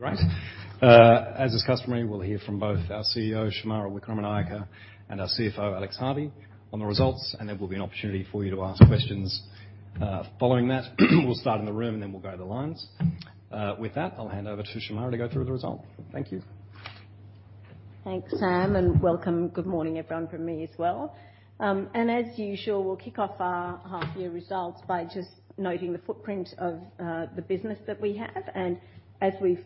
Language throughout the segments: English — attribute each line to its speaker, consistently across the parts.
Speaker 1: Great. As is customary, we'll hear from both our CEO, Shemara Wikramanayake, and our CFO, Alex Harvey, on the results, and there will be an opportunity for you to ask questions, following that. We'll start in the room, and then we'll go to the lines. With that, I'll hand over to Shemara to go through the result. Thank you.
Speaker 2: Thanks, Sam, and welcome. Good morning, everyone, from me as well. As usual, we'll kick off our half year results by just noting the footprint of the business that we have. As we've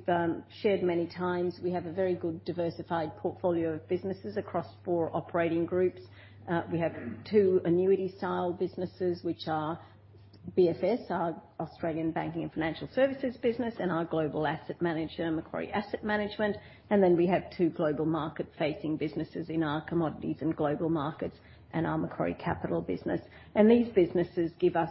Speaker 2: shared many times, we have a very good diversified portfolio of businesses across four operating groups. We have two annuity style businesses, which are BFS, our Australian Banking and Financial Services business, and our global asset manager, Macquarie Asset Management. Then we have two global market-facing businesses in our Commodities and Global Markets, and our Macquarie Capital business. These businesses give us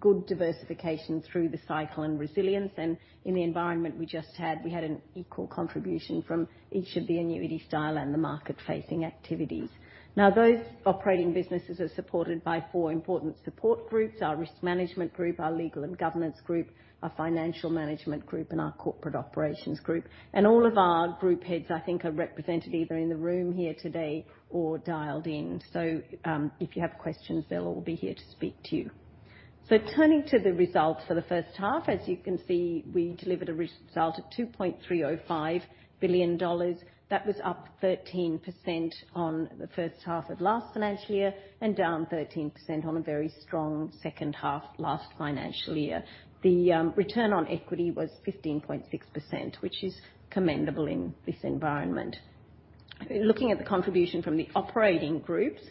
Speaker 2: good diversification through the cycle and resilience. In the environment we just had, we had an equal contribution from each of the annuity style and the market-facing activities. Now, those operating businesses are supported by four important support groups, our Risk Management Group, our Legal and Governance Group, our Financial Management Group, and our Corporate Operations Group. All of our group heads, I think, are represented either in the room here today or dialed in. If you have questions, they'll all be here to speak to you. Turning to the results for the first half, as you can see, we delivered a result of 2.305 billion dollars. That was up 13% on the first half of last financial year and down 13% on a very strong second half last financial year. The return on equity was 15.6%, which is commendable in this environment. Looking at the contribution from the operating groups,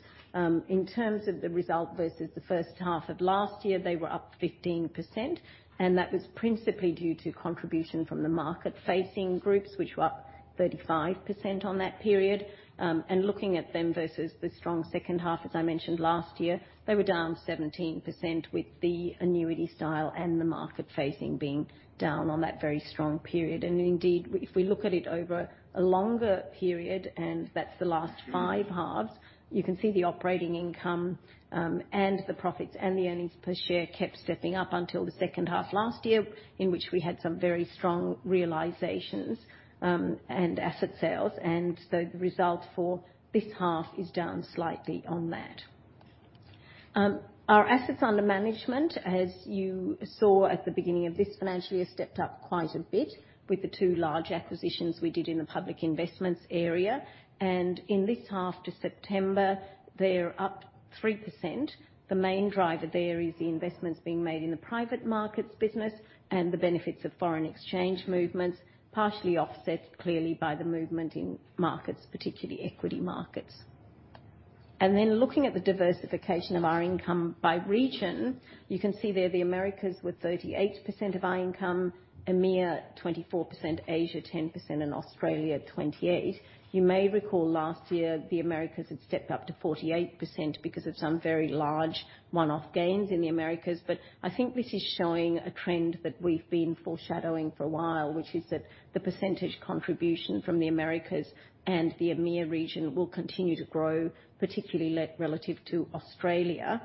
Speaker 2: in terms of the result versus the first half of last year, they were up 15%, and that was principally due to contribution from the market-facing groups, which were up 35% on that period. Looking at them versus the strong second half, as I mentioned last year, they were down 17% with the annuity style and the market-facing being down on that very strong period. Indeed, if we look at it over a longer period, and that's the last five halves, you can see the operating income, and the profits, and the earnings per share kept stepping up until the second half last year, in which we had some very strong realizations, and asset sales. The result for this half is down slightly on that. Our assets under management, as you saw at the beginning of this financial year, stepped up quite a bit with the two large acquisitions we did in the public investments area. In this half to September, they're up 3%. The main driver there is the investments being made in the private markets business and the benefits of foreign exchange movements, partially offset clearly by the movement in markets, particularly equity markets. Then looking at the diversification of our income by region, you can see there the Americas with 38% of our income, EMEA 24%, Asia 10%, and Australia 28%. You may recall last year the Americas had stepped up to 48% because of some very large one-off gains in the Americas. I think this is showing a trend that we've been foreshadowing for a while, which is that the percentage contribution from the Americas and the EMEA region will continue to grow, particularly relative to Australia.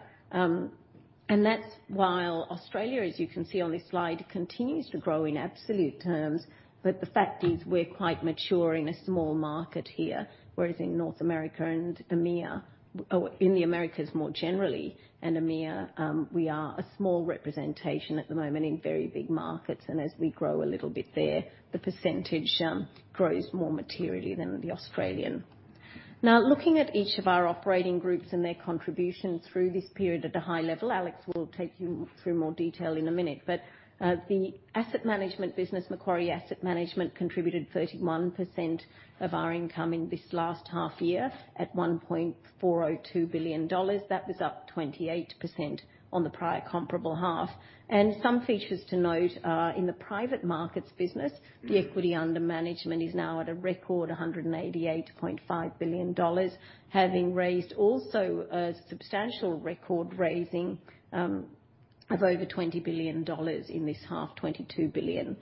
Speaker 2: That's while Australia, as you can see on this slide, continues to grow in absolute terms. The fact is we're quite mature in a small market here, whereas in North America and EMEA, or in the Americas more generally, and EMEA, we are a small representation at the moment in very big markets. As we grow a little bit there, the percentage grows more materially than the Australian. Now, looking at each of our operating groups and their contributions through this period at a high level, Alex will take you through more detail in a minute. The asset management business, Macquarie Asset Management, contributed 31% of our income in this last half year at 1.402 billion dollars. That was up 28% on the prior comparable half. Some features to note are in the private markets business, the equity under management is now at a record 188.5 billion dollars, having raised also a substantial record raising, of over 20 billion dollars in this half, 22 billion.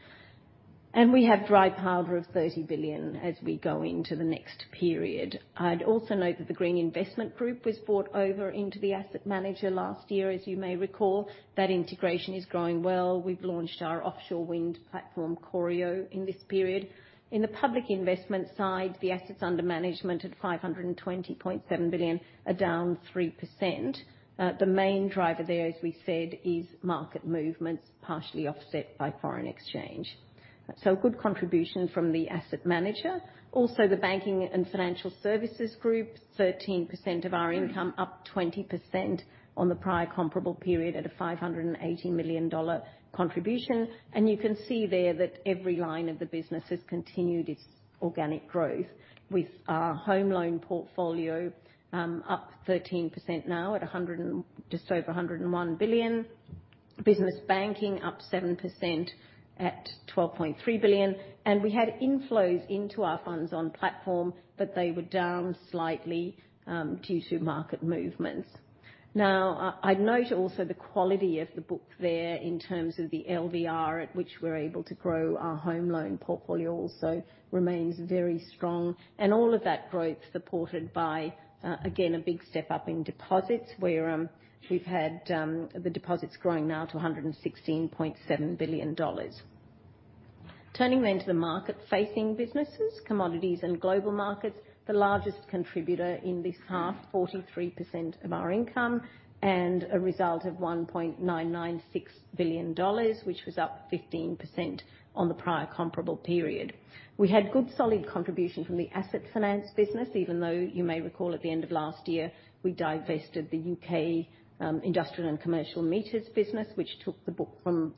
Speaker 2: We have dry powder of 30 billion as we go into the next period. I'd also note that the Green Investment Group was brought over into the asset manager last year. As you may recall, that integration is growing well. We've launched our offshore wind platform, Corio, in this period. In the public investment side, the assets under management at 520.7 billion are down 3%. The main driver there, as we said, is market movements, partially offset by foreign exchange. Good contribution from the asset manager. Also, the Banking and Financial Services Group, 13% of our income, up 20% on the prior comparable period at an 580 million dollar contribution. You can see there that every line of the business has continued its organic growth with our home loan portfolio up 13% now at just over 101 billion. Business banking up 7% at 12.3 billion. We had inflows into our funds on platform, but they were down slightly due to market movements. Now, I'd note also the quality of the book there in terms of the LVR at which we're able to grow our home loan portfolio also remains very strong. All of that growth supported by, again, a big step-up in deposits, where we've had the deposits growing now to 116.7 billion dollars. Turning to the market-facing businesses, Commodities and Global Markets, the largest contributor in this half, 43% of our income and a result of 1.996 billion dollars, which was up 15% on the prior comparable period. We had good solid contribution from the asset finance business, even though you may recall at the end of last year, we divested the UK industrial and commercial meters business, which took the book from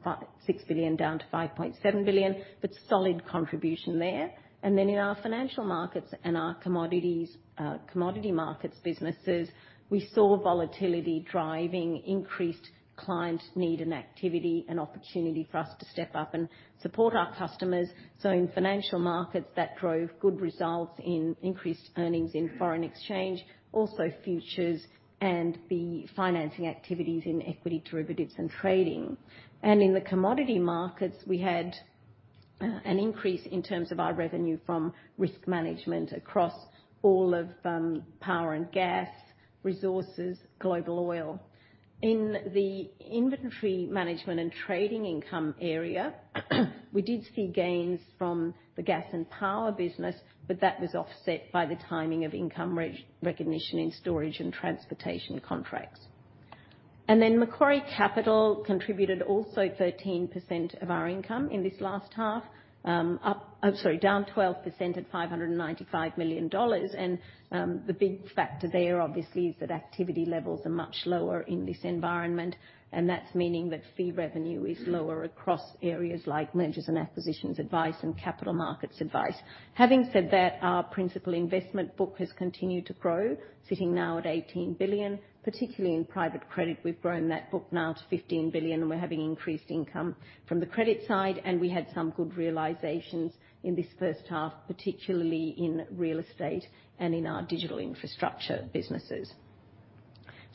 Speaker 2: 56 billion down to 5.7 billion, but solid contribution there. In our financial markets and our Commodities and Global Markets businesses, we saw volatility driving increased client need and activity and opportunity for us to step up and support our customers. In financial markets, that drove good results in increased earnings in foreign exchange, also futures and the financing activities in equity derivatives and trading. In the Commodity Markets, we had an increase in terms of our revenue from risk management across all of power and gas, resources, global oil. In the inventory management and trading income area, we did see gains from the gas and power business, but that was offset by the timing of income recognition in storage and transportation contracts. Then Macquarie Capital contributed also 13% of our income in this last half, down 12% at 595 million dollars. The big factor there, obviously, is that activity levels are much lower in this environment, and that's meaning that fee revenue is lower across areas like mergers and acquisitions advice and capital markets advice. Having said that, our principal investment book has continued to grow, sitting now at 18 billion. Particularly in private credit, we've grown that book now to 15 billion, and we're having increased income from the credit side, and we had some good realizations in this first half, particularly in real estate and in our digital infrastructure businesses.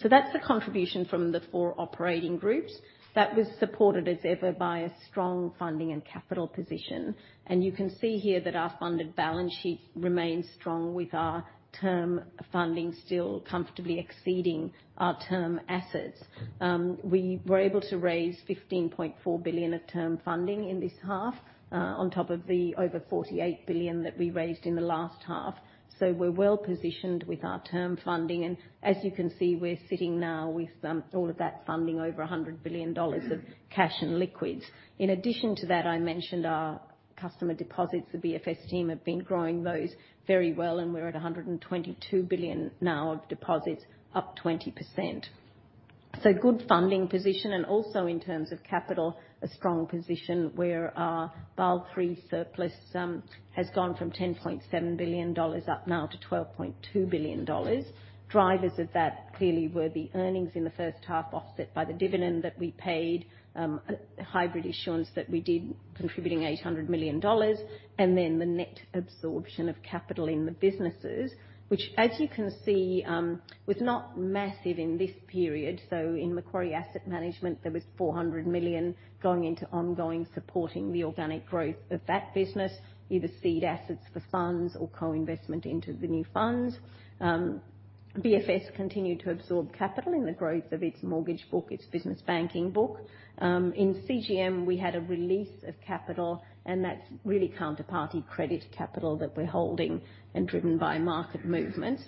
Speaker 2: That's the contribution from the four operating groups. That was supported as ever by a strong funding and capital position. You can see here that our funded balance sheet remains strong with our term funding still comfortably exceeding our term assets. We were able to raise 15.4 billion of term funding in this half, on top of the over 48 billion that we raised in the last half. We're well positioned with our term funding, and as you can see, we're sitting now with all of that funding over 100 billion dollars of cash and liquids. In addition to that, I mentioned our customer deposits. The BFS team have been growing those very well, and we're at 122 billion now of deposits, up 20%. Good funding position, and also in terms of capital, a strong position where our Basel III surplus has gone from 10.7 billion dollars up now to 12.2 billion dollars. Drivers of that clearly were the earnings in the first half, offset by the dividend that we paid, hybrid issuance that we did contributing 800 million dollars, and then the net absorption of capital in the businesses, which as you can see, was not massive in this period. In Macquarie Asset Management, there was 400 million going into ongoing supporting the organic growth of that business, either seed assets for funds or co-investment into the new funds. BFS continued to absorb capital in the growth of its mortgage book, its business banking book. In CGM, we had a release of capital, and that's really counterparty credit capital that we're holding and driven by market movements.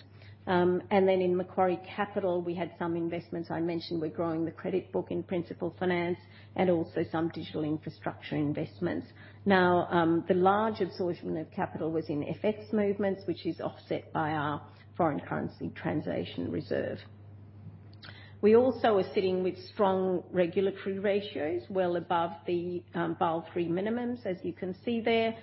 Speaker 2: In Macquarie Capital, we had some investments. I mentioned we're growing the credit book in principal finance and also some digital infrastructure investments. Now, the large absorption of capital was in FX movements, which is offset by our foreign currency translation reserve. We also are sitting with strong regulatory ratios well above the Basel III minimums, as you can see there.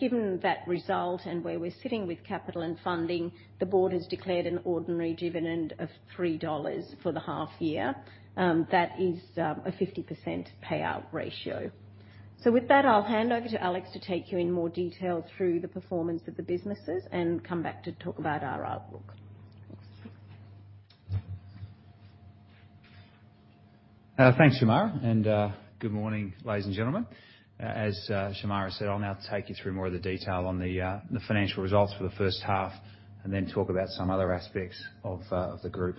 Speaker 2: Given that result and where we're sitting with capital and funding, the board has declared an ordinary dividend of 3 dollars for the half year. That is a 50% payout ratio. With that, I'll hand over to Alex to take you in more detail through the performance of the businesses and come back to talk about our outlook. Thanks.
Speaker 3: Thanks, Shemara. Good morning, ladies and gentlemen. As Shemara said, I'll now take you through more of the detail on the financial results for the first half and then talk about some other aspects of the group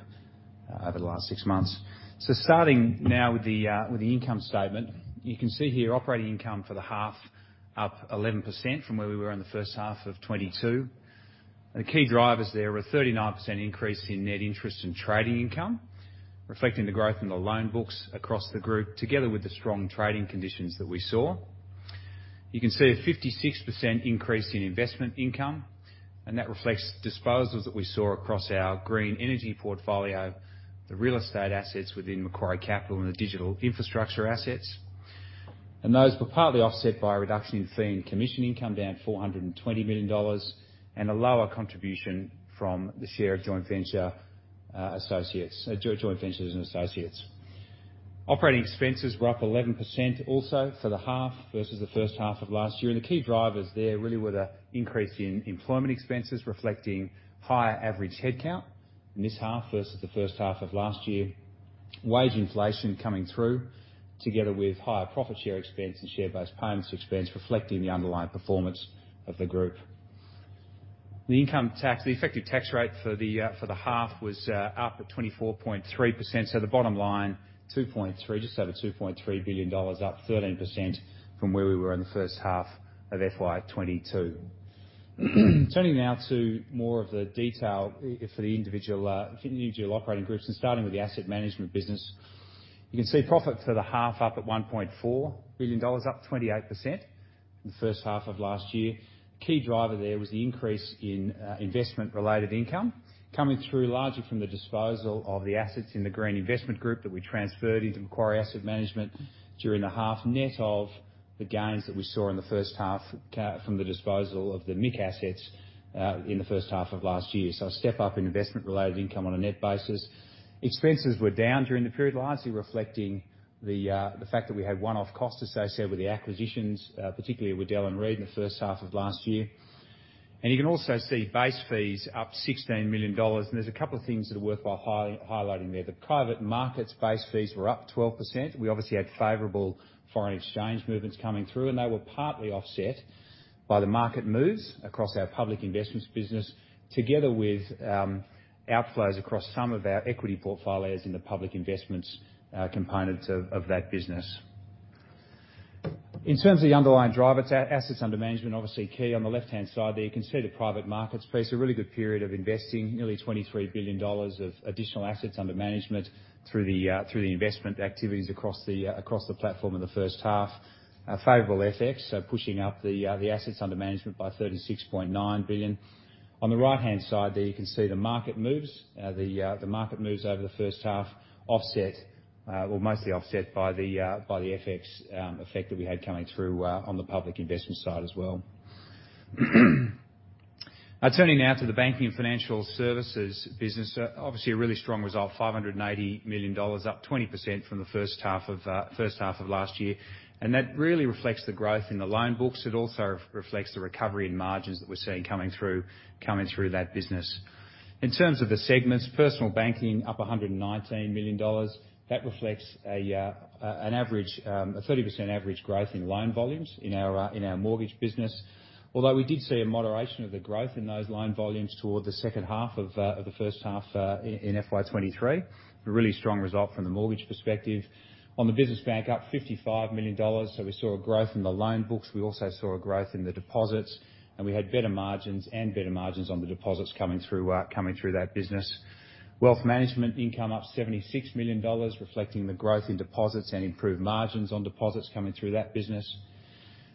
Speaker 3: over the last six months. Starting now with the income statement. You can see here operating income for the half up 11% from where we were in the first half of 2022. The key drivers there were a 39% increase in net interest and trading income, reflecting the growth in the loan books across the group, together with the strong trading conditions that we saw. You can see a 56% increase in investment income, and that reflects disposals that we saw across our green energy portfolio, the real estate assets within Macquarie Capital, and the digital infrastructure assets. Those were partly offset by a reduction in fee and commission income, down 420 million dollars, and a lower contribution from the share of joint venture, associates, joint ventures and associates. Operating expenses were up 11% also for the half versus the first half of last year. The key drivers there really were the increase in employment expenses reflecting higher average headcount in this half versus the first half of last year. Wage inflation coming through, together with higher profit share expense and share-based payments expense reflecting the underlying performance of the group. The income tax, the effective tax rate for the half was up at 24.3%. The bottom line, 2.3, just over 2.3 billion dollars, up 13% from where we were in the first half of FY 2022. Turning now to more of the detail for the individual operating groups and starting with the asset management business. You can see profit for the half up at 1.4 billion dollars, up 28% the first half of last year. Key driver there was the increase in investment-related income coming through largely from the disposal of the assets in the Green Investment Group that we transferred into Macquarie Asset Management during the half net of the gains that we saw in the first half from the disposal of the MIC assets in the first half of last year. A step up in investment-related income on a net basis. Expenses were down during the period, largely reflecting the fact that we had one-off costs, as they said, with the acquisitions, particularly with Waddell & Reed in the first half of last year. You can also see base fees up 16 million dollars, and there's a couple of things that are worthwhile highlighting there. The private markets base fees were up 12%. We obviously had favorable foreign exchange movements coming through, and they were partly offset by the market moves across our public investments business, together with outflows across some of our equity portfolios in the public investments components of that business. In terms of the underlying drivers, assets under management obviously key. On the left-hand side there, you can see the private markets piece, a really good period of investing, nearly 23 billion dollars of additional assets under management through the investment activities across the platform in the first half. A favorable FX, so pushing up the assets under management by 36.9 billion. On the right-hand side there, you can see the market moves. The market moves over the first half offset, or mostly offset by the FX effect that we had coming through, on the public investment side as well. Turning now to the Banking and Financial Services business. Obviously, a really strong result, 580 million dollars, up 20% from the first half of last year. That really reflects the growth in the loan books. It also reflects the recovery in margins that we're seeing coming through that business. In terms of the segments, Personal Banking up 119 million dollars. That reflects an average 30% average growth in loan volumes in our mortgage business. Although we did see a moderation of the growth in those loan volumes toward the second half of the first half in FY 2023. A really strong result from the mortgage perspective. On the business bank, up 55 million dollars. We saw a growth in the loan books. We also saw a growth in the deposits, and we had better margins on the deposits coming through that business. Wealth management income up AUD 76 million, reflecting the growth in deposits and improved margins on deposits coming through that business.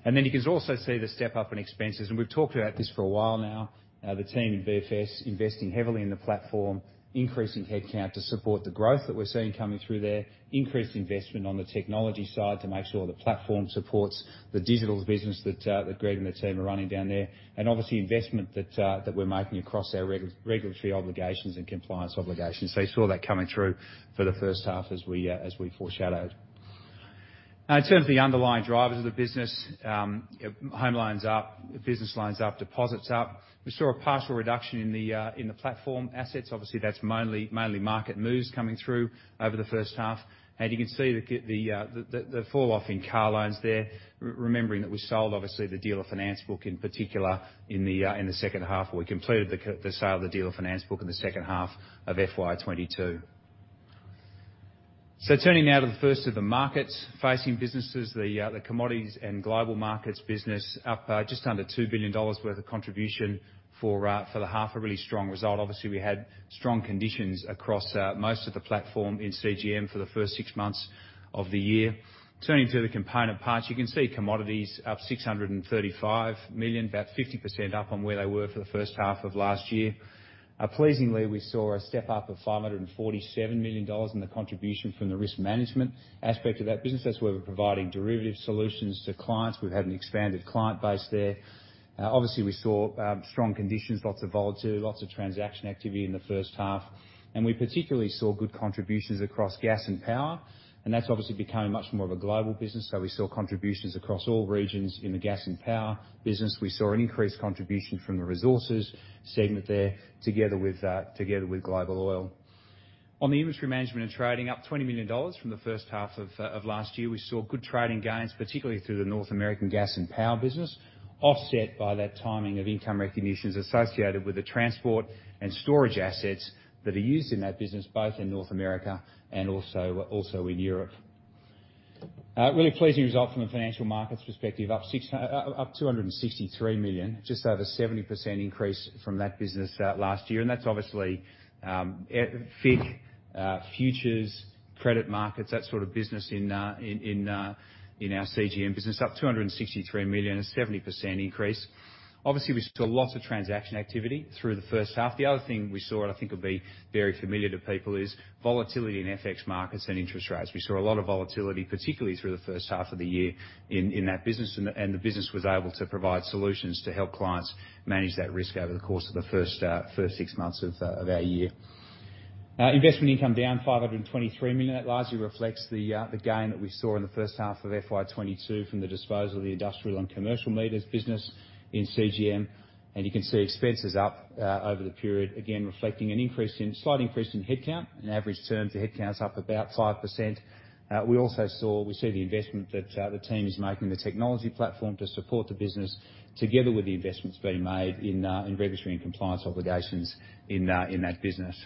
Speaker 3: You can also see the step up in expenses. We've talked about this for a while now. The team in BFS investing heavily in the platform, increasing head count to support the growth that we're seeing coming through there. Increased investment on the technology side to make sure the platform supports the digital business that Greg and the team are running down there. Obviously, investment that we're making across our regulatory obligations and compliance obligations. You saw that coming through for the first half as we foreshadowed. Now in terms of the underlying drivers of the business, home loans up, business loans up, deposits up. We saw a partial reduction in the platform assets. Obviously, that's mainly market moves coming through over the first half. You can see the fall off in car loans there. Remembering that we sold obviously the dealer finance book in particular in the second half, or we completed the sale of the dealer finance book in the second half of FY 2022. Turning now to the first of the market-facing businesses, the commodities and global markets business up just under 2 billion dollars worth of contribution for the half, a really strong result. Obviously, we had strong conditions across most of the platform in CGM for the first six months of the year. Turning to the component parts, you can see commodities up 635 million, about 50% up on where they were for the first half of last year. Pleasingly, we saw a step up of 547 million dollars in the contribution from the risk management aspect of that business. That's where we're providing derivative solutions to clients. We've had an expanded client base there. Obviously, we saw strong conditions, lots of volatility, lots of transaction activity in the first half. We particularly saw good contributions across gas and power, and that's obviously becoming much more of a global business. We saw contributions across all regions in the gas and power business. We saw an increased contribution from the resources segment there together with global oil. On the inventory management and trading, up 20 million dollars from the first half of last year. We saw good trading gains, particularly through the North American gas and power business, offset by that timing of income recognitions associated with the transport and storage assets that are used in that business, both in North America and in Europe. Really pleasing result from a financial markets perspective, up 263 million, just over 70% increase from that business last year. That's obviously FIC, futures, credit markets, that sort of business in our CGM business, up 263 million, a 70% increase. Obviously, we saw lots of transaction activity through the first half. The other thing we saw, and I think it'll be very familiar to people, is volatility in FX markets and interest rates. We saw a lot of volatility, particularly through the first half of the year in that business, and the business was able to provide solutions to help clients manage that risk over the course of the first six months of our year. Investment income down 523 million. That largely reflects the gain that we saw in the first half of FY 2022 from the disposal of the industrial and commercial meters business in CGM. You can see expenses up over the period, again, reflecting a slight increase in headcount. In average terms, the headcount is up about 5%. We see the investment that the team is making, the technology platform to support the business, together with the investments being made in regulatory and compliance obligations in that business.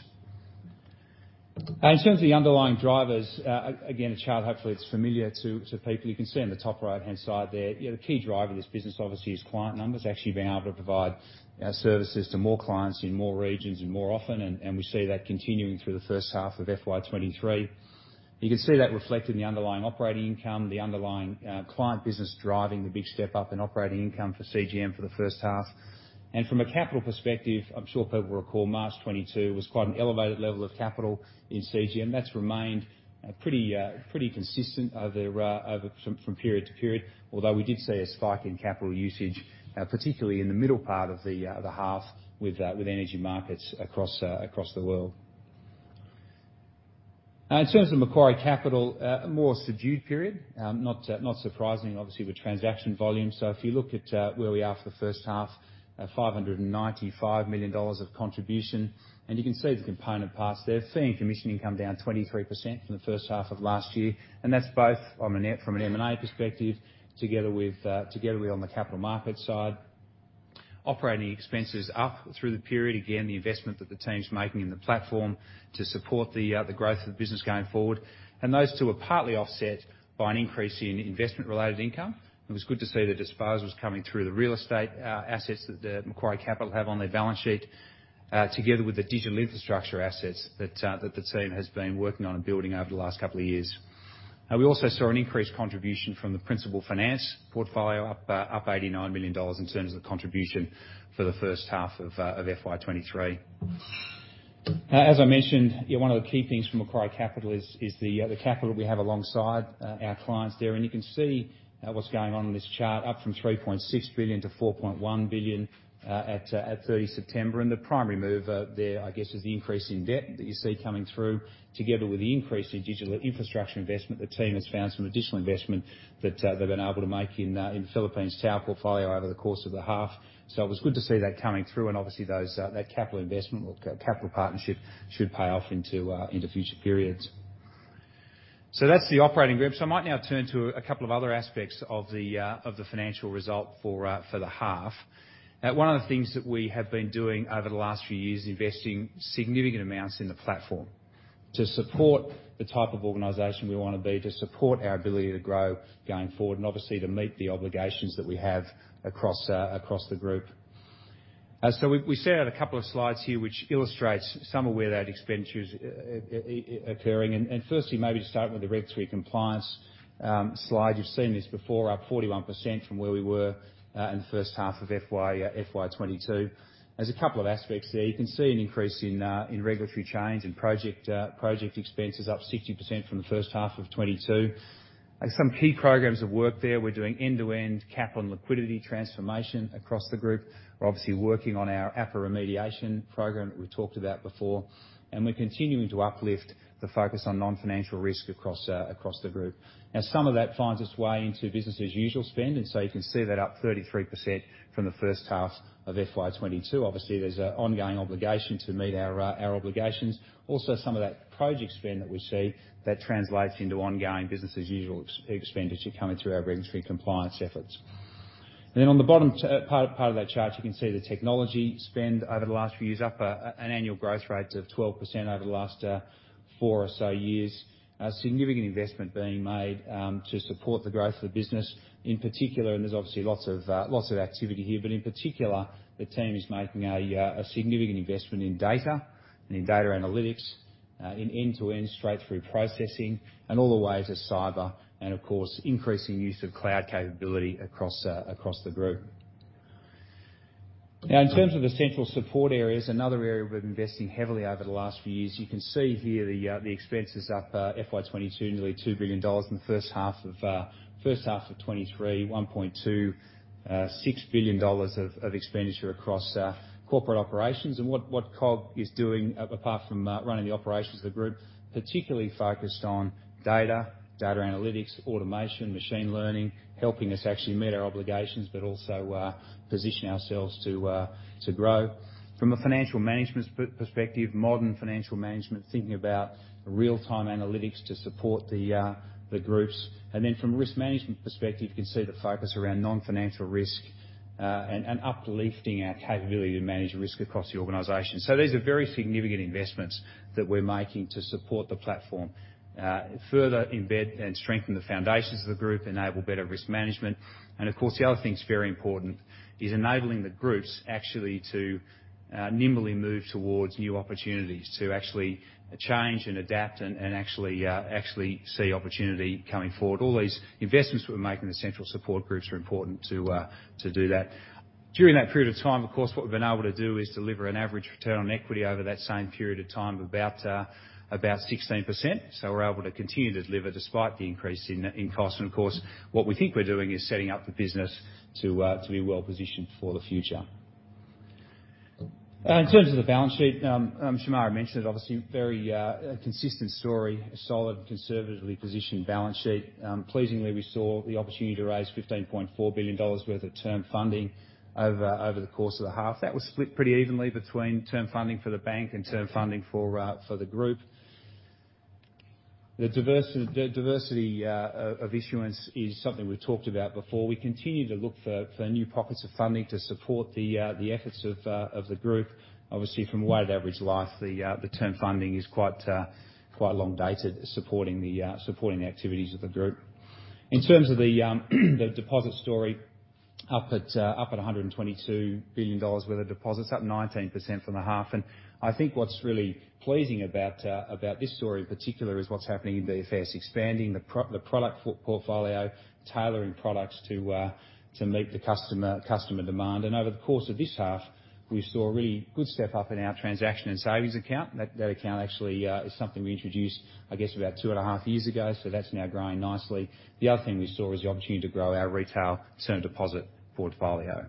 Speaker 3: In terms of the underlying drivers, again, a chart, hopefully it's familiar to people. You can see on the top right-hand side there, you know, the key driver of this business obviously is client numbers, actually being able to provide our services to more clients in more regions and more often, and we see that continuing through the first half of FY 2023. You can see that reflected in the underlying operating income, the underlying client business driving the big step up in operating income for CGM for the first half. From a capital perspective, I'm sure people recall March 2022 was quite an elevated level of capital in CGM. That's remained pretty consistent over from period to period. Although we did see a spike in capital usage, particularly in the middle part of the half with energy markets across the world. In terms of Macquarie Capital, a more subdued period. Not surprising, obviously, with transaction volume. If you look at where we are for the first half, 595 million dollars of contribution. You can see the component parts there. Fee and commission income down 23% from the first half of last year. That's both from an M&A perspective, together with on the capital market side. Operating expenses up through the period. Again, the investment that the team's making in the platform to support the growth of the business going forward. Those two are partly offset by an increase in investment related income. It was good to see the disposals coming through the real estate assets that the Macquarie Capital have on their balance sheet, together with the digital infrastructure assets that the team has been working on building over the last couple of years. We also saw an increased contribution from the principal finance portfolio, up 89 million dollars in terms of the contribution for the first half of FY 2023. As I mentioned, you know, one of the key things from Macquarie Capital is the capital we have alongside our clients there. You can see what's going on in this chart, up from 3.6 billion to 4.1 billion at 30 September. The primary mover there, I guess, is the increase in debt that you see coming through together with the increase in digital infrastructure investment. The team has found some additional investment that they've been able to make in Philippines Tower portfolio over the course of the half. It was good to see that coming through. Obviously, those that capital investment or capital partnership should pay off into future periods. That's the operating group. I might now turn to a couple of other aspects of the financial result for the half. One of the things that we have been doing over the last few years is investing significant amounts in the platform to support the type of organization we wanna be, to support our ability to grow going forward, and obviously to meet the obligations that we have across the group. We set out a couple of slides here which illustrates some of where that expenditure is occurring. Firstly, maybe to start with the regulatory compliance slide. You've seen this before, up 41% from where we were in the first half of FY 2022. There's a couple of aspects there. You can see an increase in regulatory change and project expenses up 60% from the first half of 2022. Some key programs of work there. We're doing end-to-end cap on liquidity transformation across the group. We're obviously working on our APRA remediation program that we talked about before, and we're continuing to uplift the focus on non-financial risk across the group. Some of that finds its way into business as usual spend, and so you can see that up 33% from the first half of FY 2022. Obviously, there's an ongoing obligation to meet our obligations. Also some of that project spend that we see, that translates into ongoing business as usual expenditure coming through our regulatory compliance efforts. On the bottom part of that chart, you can see the technology spend over the last few years, up an annual growth rate of 12% over the last four or so years. A significant investment being made to support the growth of the business. In particular, there's obviously lots of activity here, but in particular, the team is making a significant investment in data and in data analytics in end-to-end straight-through processing, and all the way to cyber and of course, increasing use of cloud capability across the group. Now in terms of essential support areas, another area we've been investing heavily over the last few years, you can see here the expenses up FY 2022, nearly 2 billion dollars in the first half of 2023, 1.26 billion dollars of expenditure across corporate operations. What COG is doing, apart from running the operations of the group, particularly focused on data analytics, automation, machine learning, helping us actually meet our obligations, but also position ourselves to grow. From a financial management perspective, modern financial management, thinking about real-time analytics to support the groups. From a risk management perspective, you can see the focus around non-financial risk, and uplifting our capability to manage risk across the organization. These are very significant investments that we're making to support the platform, further embed and strengthen the foundations of the group, enable better risk management. The other thing that's very important is enabling the groups actually to nimbly move towards new opportunities to actually change and adapt and actually see opportunity coming forward. All these investments that we're making, the central support groups, are important to do that. During that period of time, of course, what we've been able to do is deliver an average return on equity over that same period of time of about 16%. We're able to continue to deliver despite the increase in cost. Of course, what we think we're doing is setting up the business to be well-positioned for the future. In terms of the balance sheet, Shemara mentioned obviously a very consistent story, a solid conservatively positioned balance sheet. Pleasingly, we saw the opportunity to raise 15.4 billion dollars worth of term funding over the course of the half. That was split pretty evenly between term funding for the bank and term funding for the group. The diversity of issuance is something we've talked about before. We continue to look for new pockets of funding to support the efforts of the group. Obviously, from a weighted average life, the term funding is quite long dated, supporting the activities of the group. In terms of the deposit story, up at 122 billion dollars worth of deposits, up 19% from the half. I think what's really pleasing about this story in particular is what's happening in BFS, expanding the product footprint portfolio, tailoring products to meet the customer demand. Over the course of this half, we saw a really good step up in our transaction and savings account. That account actually is something we introduced, I guess, about two and a half years ago, so that's now growing nicely. The other thing we saw was the opportunity to grow our retail term deposit portfolio.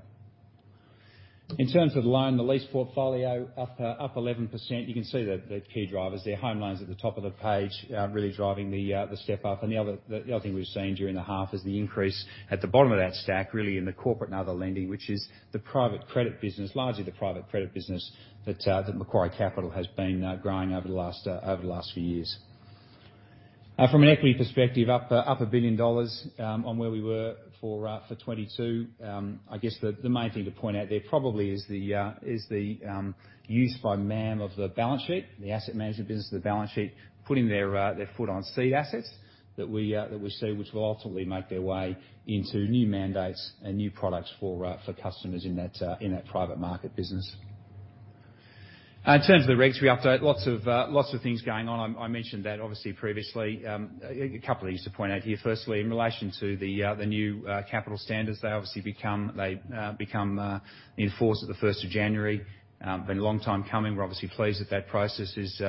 Speaker 3: In terms of the loan and lease portfolio up 11%. You can see the key drivers there. Home loans at the top of the page really driving the step up. The other thing we've seen during the half is the increase at the bottom of that stack, really in the corporate and other lending, which is the private credit business. Largely the private credit business that Macquarie Capital has been growing over the last few years. From an equity perspective, up 1 billion dollars on where we were for 2022. I guess the main thing to point out there probably is the use by MAM of the balance sheet, the asset management business of the balance sheet, putting their foot on seed assets that we see, which will ultimately make their way into new mandates and new products for customers in that private market business. In terms of the regulatory update, lots of things going on. I mentioned that obviously previously. A couple of things to point out here. Firstly, in relation to the new capital standards, they obviously become in force at the first of January. Been a long time coming. We're obviously pleased that that process is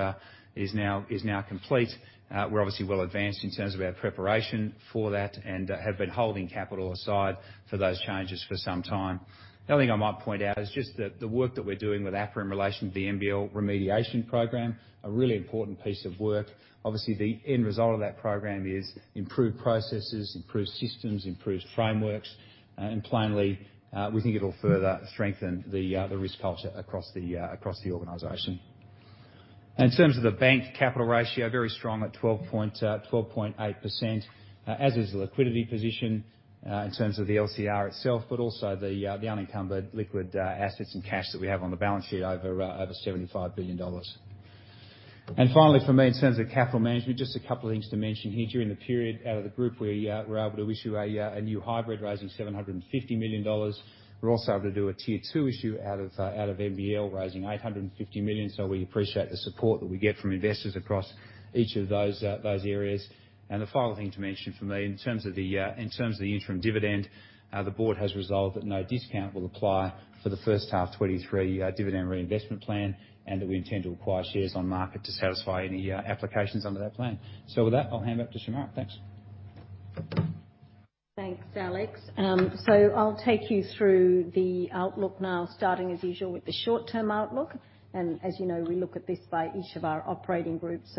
Speaker 3: now complete. We're obviously well advanced in terms of our preparation for that, and have been holding capital aside for those changes for some time. The other thing I might point out is just the work that we're doing with APRA in relation to the MBL remediation program, a really important piece of work. Obviously, the end result of that program is improved processes, improved systems, improved frameworks. And plainly, we think it'll further strengthen the risk culture across the organization. In terms of the bank capital ratio, very strong at 12.8%, as is liquidity position, in terms of the LCR itself, but also the unencumbered liquid assets and cash that we have on the balance sheet over 75 billion dollars. Finally, for me, in terms of capital management, just a couple of things to mention here. During the period, out of the group, we were able to issue a new hybrid raising 750 million dollars. We're also able to do a tier two issue out of MBL, raising 850 million. We appreciate the support that we get from investors across each of those areas. The final thing to mention for me, in terms of the interim dividend, the board has resolved that no discount will apply for the first half 2023 dividend reinvestment plan, and that we intend to acquire shares on market to satisfy any applications under that plan. With that, I'll hand back to Shemara. Thanks.
Speaker 2: Thanks, Alex. I'll take you through the outlook now, starting as usual with the short-term outlook. As you know, we look at this by each of our operating groups.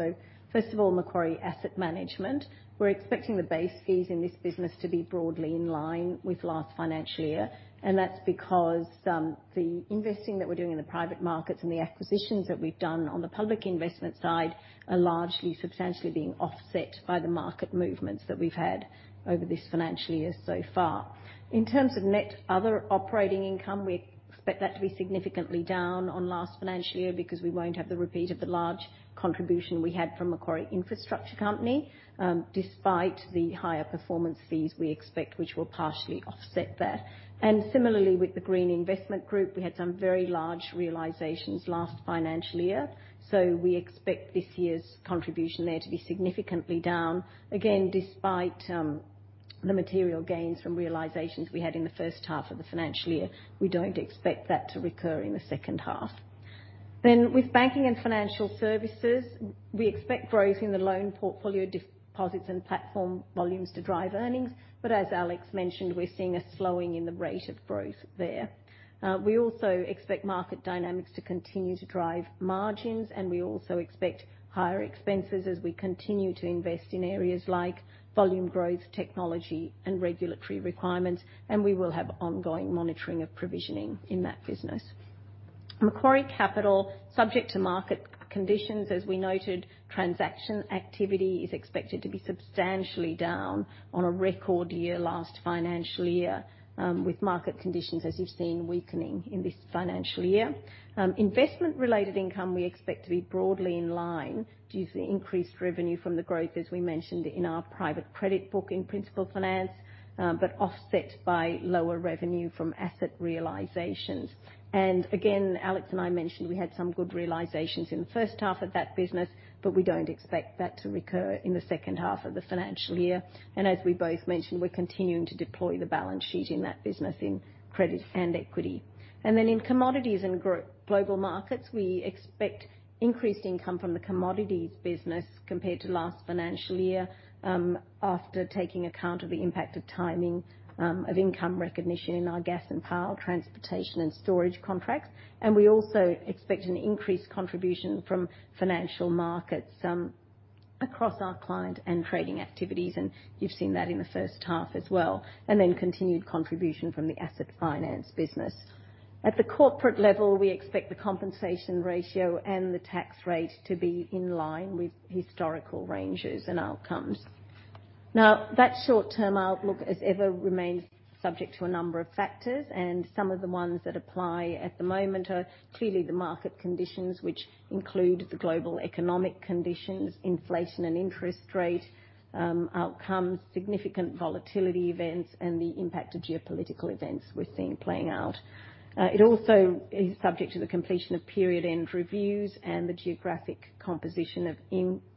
Speaker 2: First of all, Macquarie Asset Management. We're expecting the base fees in this business to be broadly in line with last financial year. That's because the investing that we're doing in the private markets and the acquisitions that we've done on the public investment side are largely substantially being offset by the market movements that we've had over this financial year so far. In terms of net other operating income, we expect that to be significantly down on last financial year because we won't have the repeat of the large contribution we had from Macquarie Infrastructure Corporation, despite the higher performance fees we expect, which will partially offset that. Similarly, with the Green Investment Group, we had some very large realizations last financial year. We expect this year's contribution there to be significantly down. Again, despite the material gains from realizations we had in the first half of the financial year, we don't expect that to recur in the second half. With Banking and Financial Services, we expect growth in the loan portfolio, deposits and platform volumes to drive earnings. As Alex mentioned, we're seeing a slowing in the rate of growth there. We also expect market dynamics to continue to drive margins, and we also expect higher expenses as we continue to invest in areas like volume growth, technology, and regulatory requirements, and we will have ongoing monitoring of provisioning in that business. Macquarie Capital, subject to market conditions, as we noted, transaction activity is expected to be substantially down on a record year last financial year, with market conditions, as you've seen, weakening in this financial year. Investment-related income we expect to be broadly in line due to the increased revenue from the growth, as we mentioned, in our private credit book in principal finance, but offset by lower revenue from asset realizations. Again, Alex and I mentioned we had some good realizations in the first half of that business, but we don't expect that to recur in the second half of the financial year. As we both mentioned, we're continuing to deploy the balance sheet in that business in credit and equity. In Commodities and Global Markets, we expect increased income from the commodities business compared to last financial year, after taking account of the impact of timing of income recognition in our gas and power, transportation, and storage contracts. We also expect an increased contribution from financial markets across our client and trading activities, and you've seen that in the first half as well, and then continued contribution from the asset finance business. At the corporate level, we expect the compensation ratio and the tax rate to be in line with historical ranges and outcomes. Now, that short-term outlook, as ever, remains subject to a number of factors, and some of the ones that apply at the moment are clearly the market conditions, which include the global economic conditions, inflation and interest rate, outcomes, significant volatility events, and the impact of geopolitical events we're seeing playing out. It also is subject to the completion of period end reviews and the geographic composition of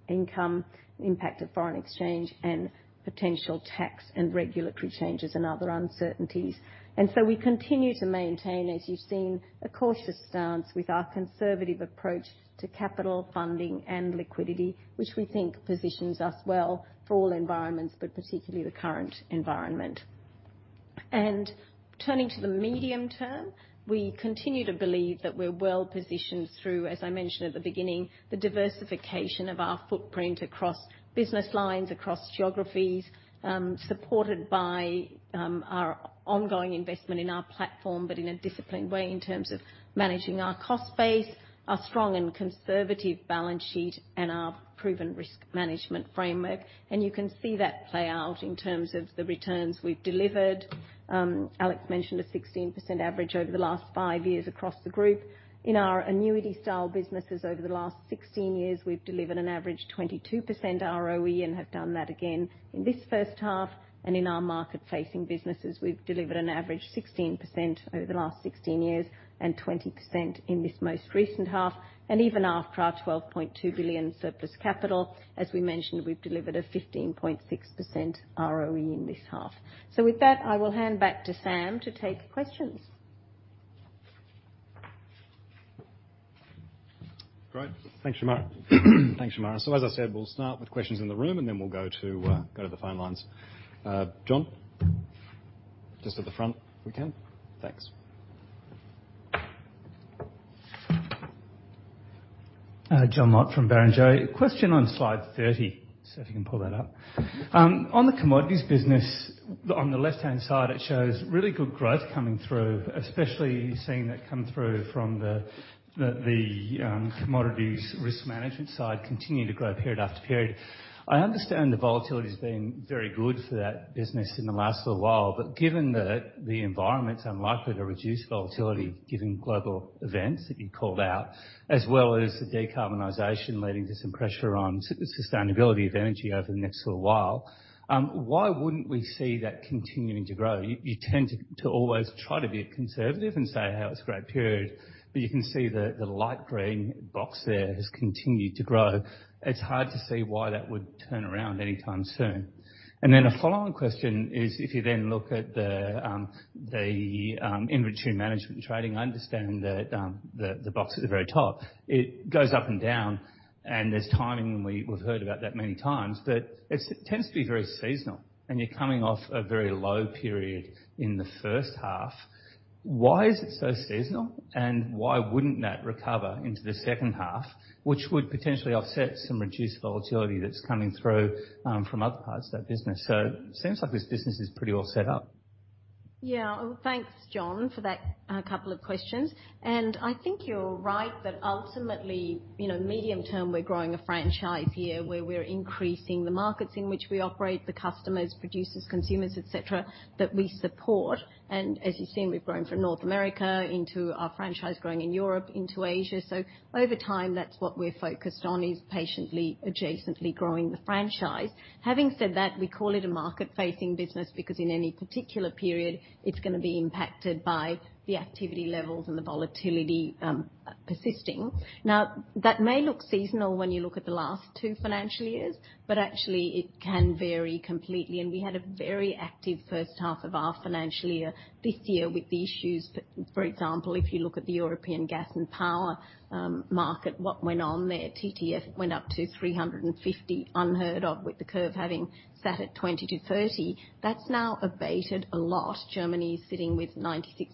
Speaker 2: income, impact of foreign exchange, and potential tax and regulatory changes and other uncertainties. We continue to maintain, as you've seen, a cautious stance with our conservative approach to capital funding and liquidity, which we think positions us well for all environments, but particularly the current environment. Turning to the medium-term, we continue to believe that we're well-positioned through, as I mentioned at the beginning, the diversification of our footprint across business lines, across geographies, supported by our ongoing investment in our platform, but in a disciplined way in terms of managing our cost base, our strong and conservative balance sheet, and our proven risk management framework. You can see that play out in terms of the returns we've delivered. Alex mentioned a 16% average over the last five years across the group. In our annuity style businesses over the last 16 years, we've delivered an average 22% ROE and have done that again in this first half. In our market-facing businesses, we've delivered an average 16% over the last 16 years and 20% in this most recent half. Even after our 12.2 billion surplus capital, as we mentioned, we've delivered a 15.6% ROE in this half. With that, I will hand back to Sam to take questions.
Speaker 1: Great. Thanks, Shemara. As I said, we'll start with questions in the room, and then we'll go to the phone lines. John, just at the front, if we can. Thanks.
Speaker 4: Justin Moffitt from Barrenjoey. Question on slide 30, so if you can pull that up. On the commodities business, on the left-hand side, it shows really good growth coming through, especially seeing that come through from the commodities risk management side continue to grow period after period. I understand the volatility has been very good for that business in the last little while, but given that the environment's unlikely to reduce volatility, given global events that you called out, as well as the decarbonization leading to some pressure on sustainability of energy over the next little while, why wouldn't we see that continuing to grow? You tend to always try to be conservative and say how it's great period, but you can see the light green box there has continued to grow. It's hard to see why that would turn around anytime soon. Then a follow-on question is if you then look at the inventory management trading, I understand that the box at the very top, it goes up and down, and there's timing, and we've heard about that many times, but it tends to be very seasonal, and you're coming off a very low period in the first half. Why is it so seasonal, and why wouldn't that recover into the second half, which would potentially offset some reduced volatility that's coming through from other parts of that business? Seems like this business is pretty all set up.
Speaker 2: Yeah. Thanks, John, for that couple of questions. I think you're right that ultimately, you know, medium-term, we're growing a franchise here where we're increasing the markets in which we operate, the customers, producers, consumers, et cetera, that we support. As you've seen, we've grown from North America into our franchise growing in Europe into Asia. Over time, that's what we're focused on, is patiently, adjacently growing the franchise. Having said that, we call it a market-facing business because in any particular period, it's gonna be impacted by the activity levels and the volatility, persisting. Now, that may look seasonal when you look at the last two financial years, but actually it can vary completely. We had a very active first half of our financial year this year with the issues. For example, if you look at the European gas and power market, what went on there, TTF went up to 350. Unheard of, with the curve having sat at 20-30. That's now abated a lot. Germany is sitting with 96%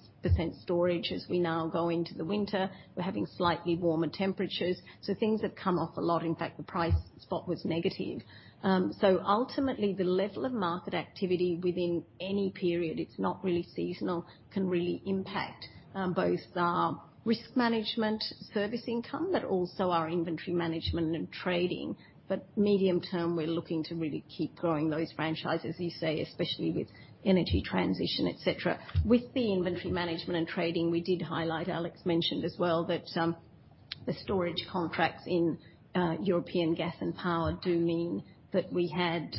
Speaker 2: storage as we now go into the winter. We're having slightly warmer temperatures, so things have come off a lot. In fact, the price spot was negative. Ultimately, the level of market activity within any period, it's not really seasonal, can really impact both our risk management service income, but also our inventory management and trading. Medium-term, we're looking to really keep growing those franchises, you say, especially with energy transition, et cetera. With the inventory management and trading, we did highlight. Alex mentioned as well that the storage contracts in European gas and power do mean that we had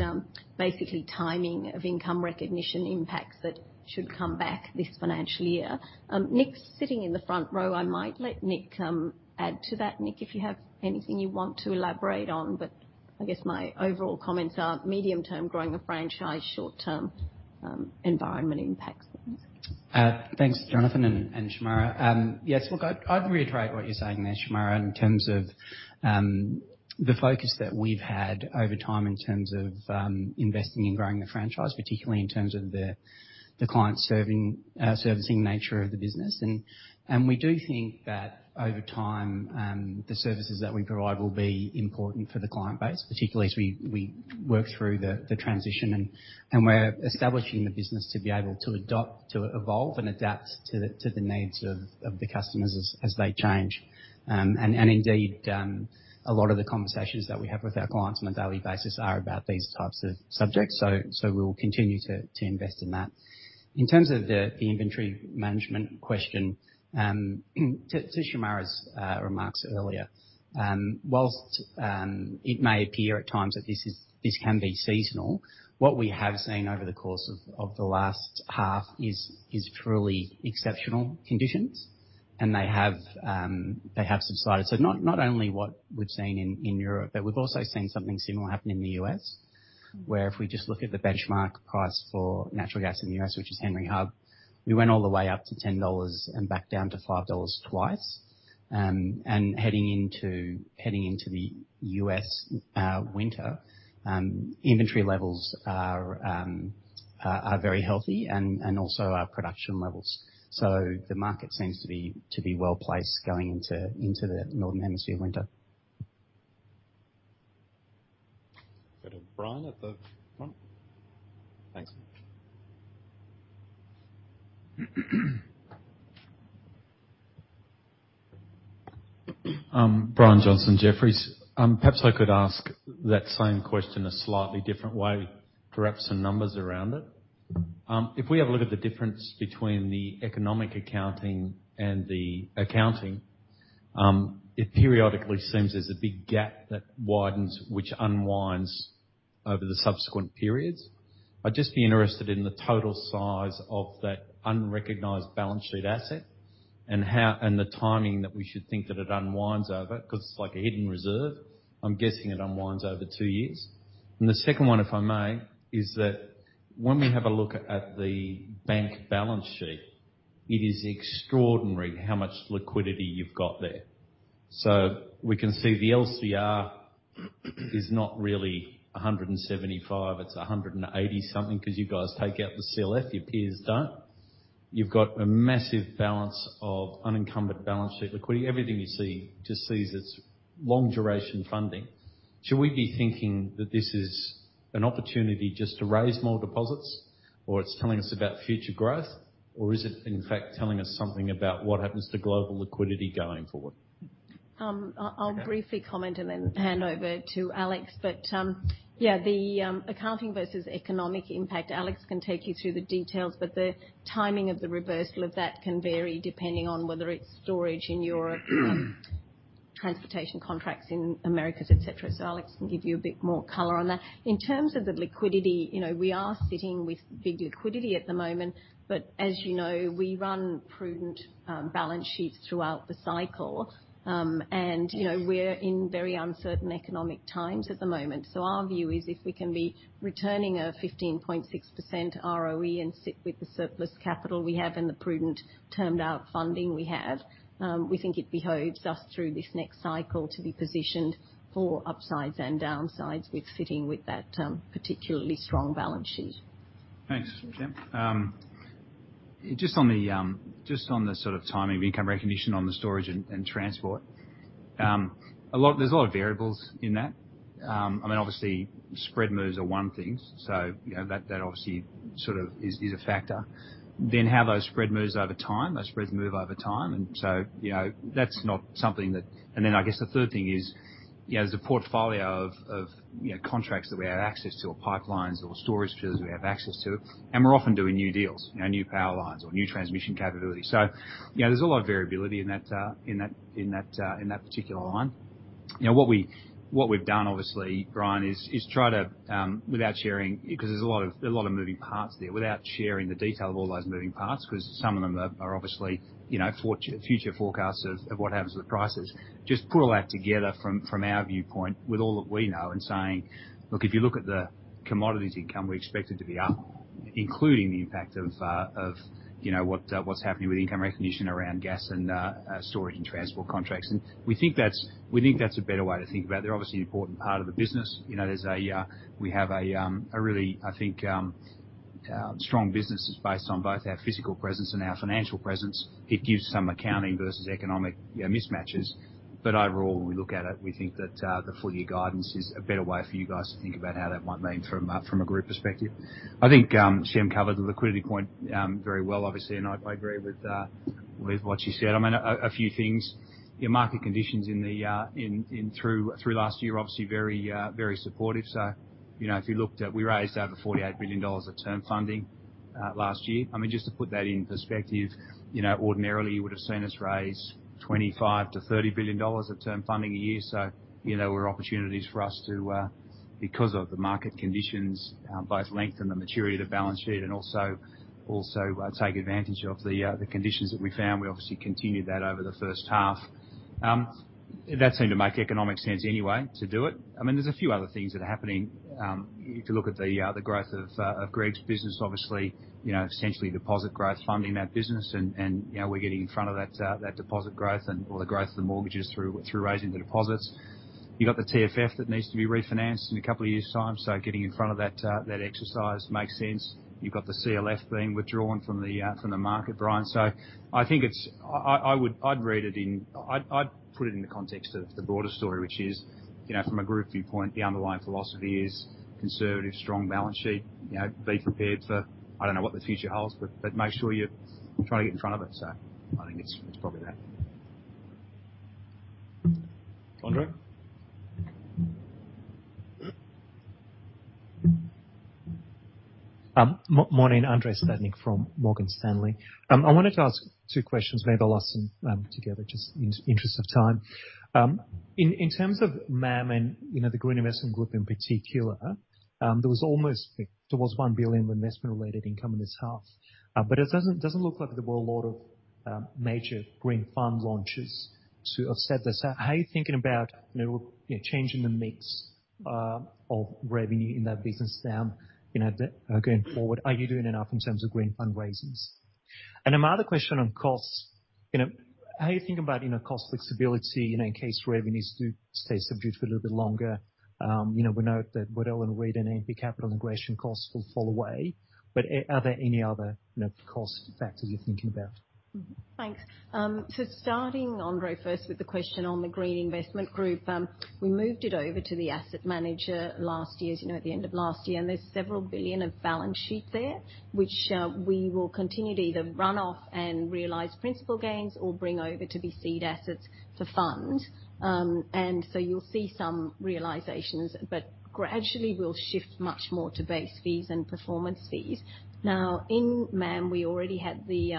Speaker 2: basically timing of income recognition impacts that should come back this financial year. Nick's sitting in the front row. I might let Nick add to that. Nick, if you have anything you want to elaborate on, but I guess my overall comments are medium-term, growing the franchise, short-term, environment impacts.
Speaker 5: Thanks Jonathan and Shemara. Yes, look, I'd reiterate what you're saying there, Shemara, in terms of the focus that we've had over time in terms of investing in growing the franchise, particularly in terms of the client servicing nature of the business. We do think that over time the services that we provide will be important for the client base, particularly as we work through the transition. We're establishing the business to be able to adopt, to evolve and adapt to the needs of the customers as they change. Indeed, a lot of the conversations that we have with our clients on a daily basis are about these types of subjects. We'll continue to invest in that. In terms of the inventory management question, to Shemara's remarks earlier, while it may appear at times that this can be seasonal, what we have seen over the course of the last half is truly exceptional conditions. They have subsided. Not only what we've seen in Europe, but we've also seen something similar happen in the U.S., where if we just look at the benchmark price for natural gas in the U.S., which is Henry Hub, we went all the way up to $10 and back down to $5 twice. Heading into the U.S. winter, inventory levels are very healthy and also our production levels. The market seems to be well-placed going into the Northern Hemisphere winter.
Speaker 1: Go to Brian at the front. Thanks.
Speaker 6: Brian Johnson, Jefferies. Perhaps I could ask that same question a slightly different way, perhaps some numbers around it. If we have a look at the difference between the economic accounting and the accounting, it periodically seems there's a big gap that widens, which unwinds over the subsequent periods. I'd just be interested in the total size of that unrecognized balance sheet asset and the timing that we should think that it unwinds over, 'cause it's like a hidden reserve. I'm guessing it unwinds over two years. The second one, if I may, is that when we have a look at the bank balance sheet, it is extraordinary how much liquidity you've got there. We can see the LCR is not really 175, it's 180-something, 'cause you guys take out the CLF, your peers don't. You've got a massive balance of unencumbered balance sheet liquidity. Everything you see is just its long duration funding. Should we be thinking that this is an opportunity just to raise more deposits, or it's telling us about future growth, or is it, in fact, telling us something about what happens to global liquidity going forward?
Speaker 2: I'll briefly comment and then hand over to Alex. Accounting versus economic impact, Alex can take you through the details, but the timing of the reversal of that can vary depending on whether it's storage in Europe, transportation contracts in Americas, et cetera. Alex can give you a bit more color on that. In terms of the liquidity, you know, we are sitting with big liquidity at the moment, but as you know, we run prudent balance sheets throughout the cycle. You know, we're in very uncertain economic times at the moment. Our view is if we can be returning a 15.6% ROE and sit with the surplus capital we have and the prudent termed out funding we have, we think it behoves us through this next cycle to be positioned for upsides and downsides with sitting with that particularly strong balance sheet.
Speaker 3: Thanks, Shem. Just on the sort of timing of income recognition on the storage and transport. There's a lot of variables in that. I mean, obviously, spread moves are one thing. You know, that obviously sort of is a factor. Then how those spreads move over time. You know, that's not something that. I guess the third thing is, you know, there's a portfolio of contracts that we have access to or pipelines or storage fields we have access to, and we're often doing new deals. You know, new power lines or new transmission capabilities. You know, there's a lot of variability in that particular line. You know, what we've done, obviously, Brian, is try to without sharing 'cause there's a lot of moving parts there. Without sharing the detail of all those moving parts, 'cause some of them are obviously you know future forecasts of what happens with prices. Just put all that together from our viewpoint with all that we know and saying, "Look, if you look at the commodities income, we expect it to be up, including the impact of what's happening with income recognition around gas and storage and transport contracts." We think that's a better way to think about it. They're obviously an important part of the business. You know, we have a really, I think, strong businesses based on both our physical presence and our financial presence. It gives some accounting versus economic, you know, mismatches. Overall, when we look at it, we think that the full year guidance is a better way for you guys to think about how that might mean from a group perspective. I think Shem covered the liquidity point very well, obviously, and I agree with what she said. I mean, a few things. The market conditions through last year, obviously very supportive. You know, if you looked at, we raised over 48 billion dollars of term funding last year. I mean, just to put that in perspective, you know, ordinarily, you would have seen us raise 25 billion-30 billion dollars of term funding a year. You know, there were opportunities for us to, because of the market conditions, both lengthen the maturity of the balance sheet and also take advantage of the conditions that we found. We obviously continued that over the first half. That seemed to make economic sense anyway to do it. I mean, there's a few other things that are happening. If you look at the growth of Greg's business, obviously, you know, essentially deposit growth funding that business and, you know, we're getting in front of that deposit growth and all the growth of the mortgages through raising the deposits. You got the TFF that needs to be refinanced in a couple of years' time, so getting in front of that exercise makes sense. You've got the CLF being withdrawn from the market, Brian. I think I'd put it in the context of the broader story, which is, you know, from a group viewpoint, the underlying philosophy is conservative, strong balance sheet. You know, be prepared for, I don't know what the future holds, but make sure you try to get in front of it. I think it's probably that.
Speaker 1: Andrei?
Speaker 7: Morning, Andrei Stadnik from Morgan Stanley. I wanted to ask two questions. Maybe I'll ask them together, just in interest of time. In terms of MAM and, you know, the Green Investment Group in particular, there was 1 billion of investment related income in this half. But it doesn't look like there were a lot of major green fund launches to offset this. How are you thinking about, you know, changing the mix of revenue in that business now, you know, going forward? Are you doing enough in terms of green fundraisings? My other question on costs, you know, how do you think about, you know, cost flexibility, you know, in case revenues do stay subdued for a little bit longer? You know, we know that Waddell & Reed and AMP Capital integration costs will fall away, but are there any other, you know, cost factors you're thinking about?
Speaker 2: Thanks. Starting, Andrei, first with the question on the Green Investment Group. We moved it over to the asset manager last year, as you know, at the end of last year. There's AUD several billion of balance sheet there, which we will continue to either run off and realize principal gains or bring over to the seed assets to fund. You'll see some realizations, but gradually we'll shift much more to base fees and performance fees. Now, in MAM, we already had the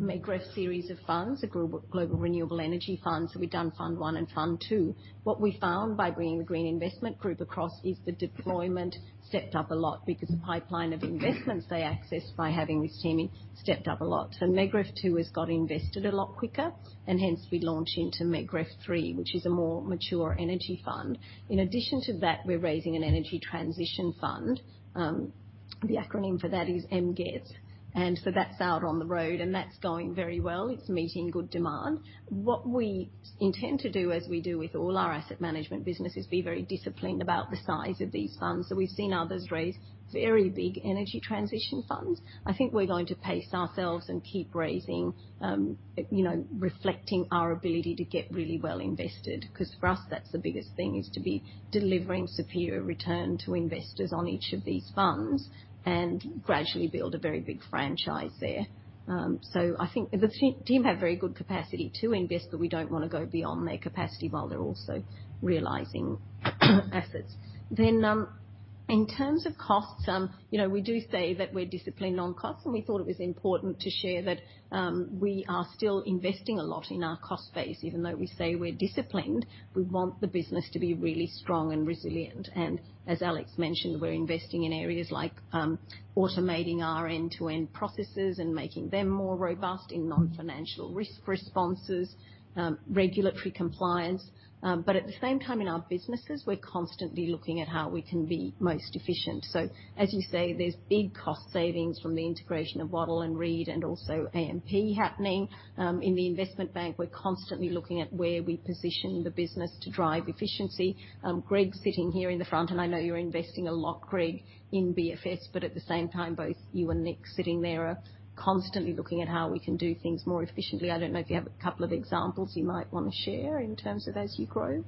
Speaker 2: MEIF series of funds, a global renewable energy fund. We've done fund one and fund two. What we found by bringing the Green Investment Group across is the deployment stepped up a lot because the pipeline of investments they access by having this team stepped up a lot. MEGF two has got invested a lot quicker, and hence we launch into MEGF three, which is a more mature energy fund. In addition to that, we're raising an energy transition fund. The acronym for that is MGET. That's out on the road, and that's going very well. It's meeting good demand. What we intend to do, as we do with all our asset management business, is be very disciplined about the size of these funds. We've seen others raise very big energy transition funds. I think we're going to pace ourselves and keep raising, you know, reflecting our ability to get really well invested, because for us, that's the biggest thing, is to be delivering superior return to investors on each of these funds and gradually build a very big franchise there. I think the team have very good capacity to invest, but we don't wanna go beyond their capacity while they're also realizing assets. In terms of costs, you know, we do say that we're disciplined on costs, and we thought it was important to share that, we are still investing a lot in our cost base. Even though we say we're disciplined, we want the business to be really strong and resilient. As Alex mentioned, we're investing in areas like, automating our end-to-end processes and making them more robust in non-financial risk responses, regulatory compliance. At the same time, in our businesses, we're constantly looking at how we can be most efficient. As you say, there's big cost savings from the integration of Waddell & Reed and also AMP happening. In the investment bank, we're constantly looking at where we position the business to drive efficiency. Greg's sitting here in the front, and I know you're investing a lot, Greg, in BFS, but at the same time, both you and Nick sitting there are constantly looking at how we can do things more efficiently. I don't know if you have a couple of examples you might wanna share in terms of as you grow.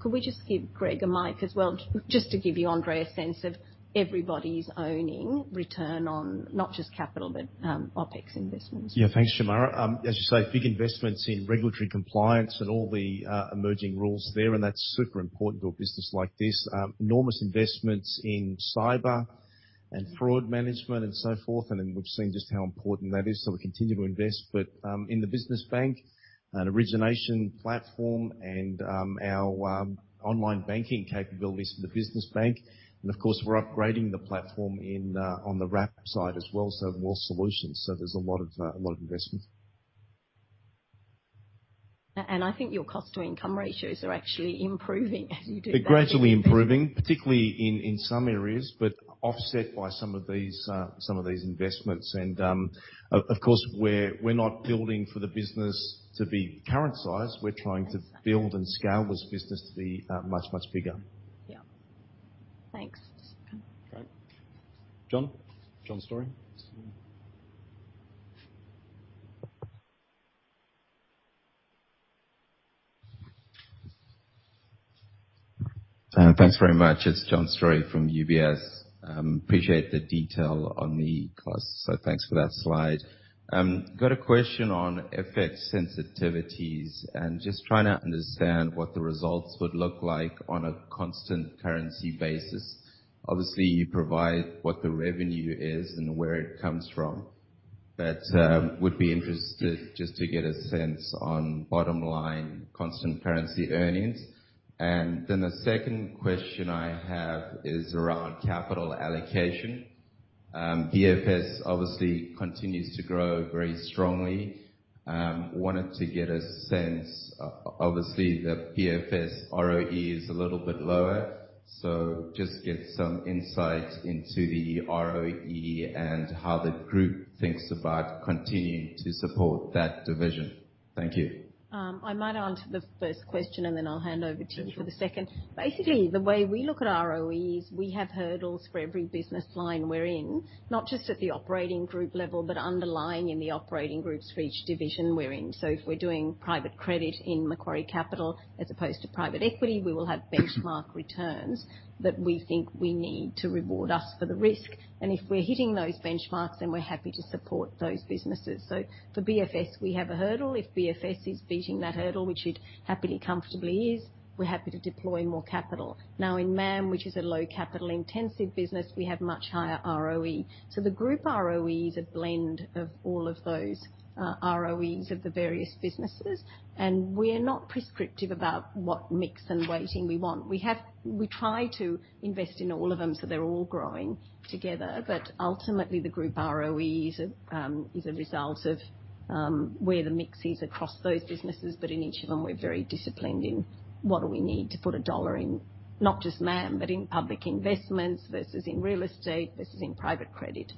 Speaker 2: Could we just give Greg a mic as well, just to give you, Andrei, a sense of everybody's owning return on not just capital, but OpEx investments.
Speaker 3: Yeah. Thanks, Shemara. As you say, big investments in regulatory compliance and all the emerging rules there, and that's super important to a business like this. Enormous investments in cyber and fraud management and so forth, and then we've seen just how important that is, so we continue to invest. In the business bank, an origination platform and our online banking capabilities for the business bank, and of course, we're upgrading the platform on the wrap side as well, so more solutions. There's a lot of investment.
Speaker 2: I think your cost to income ratios are actually improving as you do that.
Speaker 3: They're gradually improving, particularly in some areas, but offset by some of these investments. Of course, we're not building for the business to be current size. We're trying to build and scale this business to be much bigger.
Speaker 2: Yeah. Thanks.
Speaker 1: Okay. John? John Storey?
Speaker 8: Thanks very much. It's John Storey from UBS. Appreciate the detail on the costs, so thanks for that slide. Got a question on FX sensitivities and just trying to understand what the results would look like on a constant currency basis. Obviously, you provide what the revenue is and where it comes from, but would be interested just to get a sense on bottom line constant currency earnings. The second question I have is around capital allocation. BFS obviously continues to grow very strongly. Wanted to get a sense, obviously the BFS ROE is a little bit lower, so just get some insight into the ROE and how the group thinks about continuing to support that division. Thank you.
Speaker 2: I might answer the first question, and then I'll hand over to you for the second. Basically, the way we look at ROEs, we have hurdles for every business line we're in, not just at the operating group level, but underlying in the operating groups for each division we're in. If we're doing private credit in Macquarie Capital as opposed to private equity, we will have benchmark returns that we think we need to reward us for the risk. If we're hitting those benchmarks, then we're happy to support those businesses. For BFS, we have a hurdle. If BFS is beating that hurdle, which it happily, comfortably is, we're happy to deploy more capital. Now, in MAM, which is a low capital intensive business, we have much higher ROE. The group ROE is a blend of all of those, ROEs of the various businesses. We're not prescriptive about what mix and weighting we want. We try to invest in all of them, so they're all growing together. Ultimately, the group ROE is a result of where the mix is across those businesses. In each of them, we're very disciplined in what do we need to put a dollar in, not just MAM, but in public investments versus in real estate versus in private credit.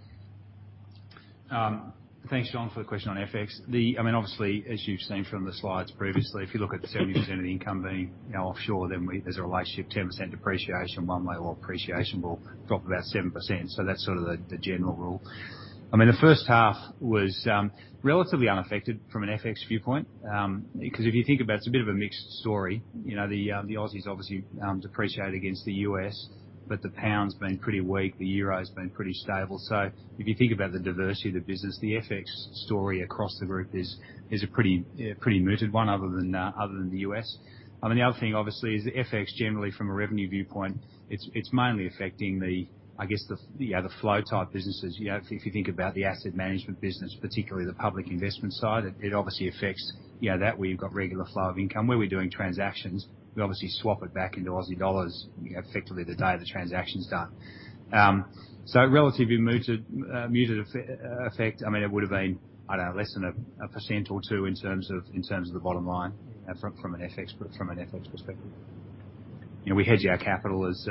Speaker 3: Thanks, John, for the question on FX. I mean, obviously, as you've seen from the slides previously, if you look at the 70% of the income being, you know, offshore, then there's a relationship, 10% depreciation one way or appreciation will drop about 7%. That's sort of the general rule. I mean, the first half was relatively unaffected from an FX viewpoint. Because if you think about it's a bit of a mixed story. You know, the Aussies obviously depreciate against the US, but the pound's been pretty weak, the euro's been pretty stable. If you think about the diversity of the business, the FX story across the group is a pretty muted one other than the US. I mean, the other thing obviously is the FX generally from a revenue viewpoint. It's mainly affecting the flow type businesses. You know, if you think about the asset management business, particularly the public investment side, it obviously affects that where you've got regular flow of income. Where we're doing transactions, we obviously swap it back into Aussie dollars effectively the day the transaction's done. So relatively muted effect. I mean, it would've been, I don't know, less than 1% or 2% in terms of the bottom line from an FX perspective. You know, we hedge our capital as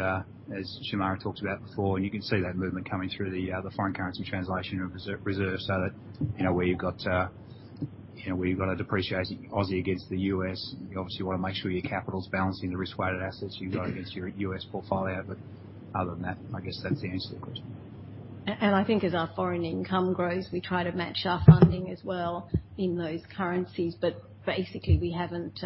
Speaker 3: Shemara talked about before, and you can see that movement coming through the foreign currency translation reserve. That you know where you've got a depreciating Aussie against the US, you obviously wanna make sure your capital's balancing the risk-weighted assets you've got against your US portfolio. Other than that, I guess that's the answer to the question.
Speaker 2: I think as our foreign income grows, we try to match our funding as well in those currencies. Basically, we haven't,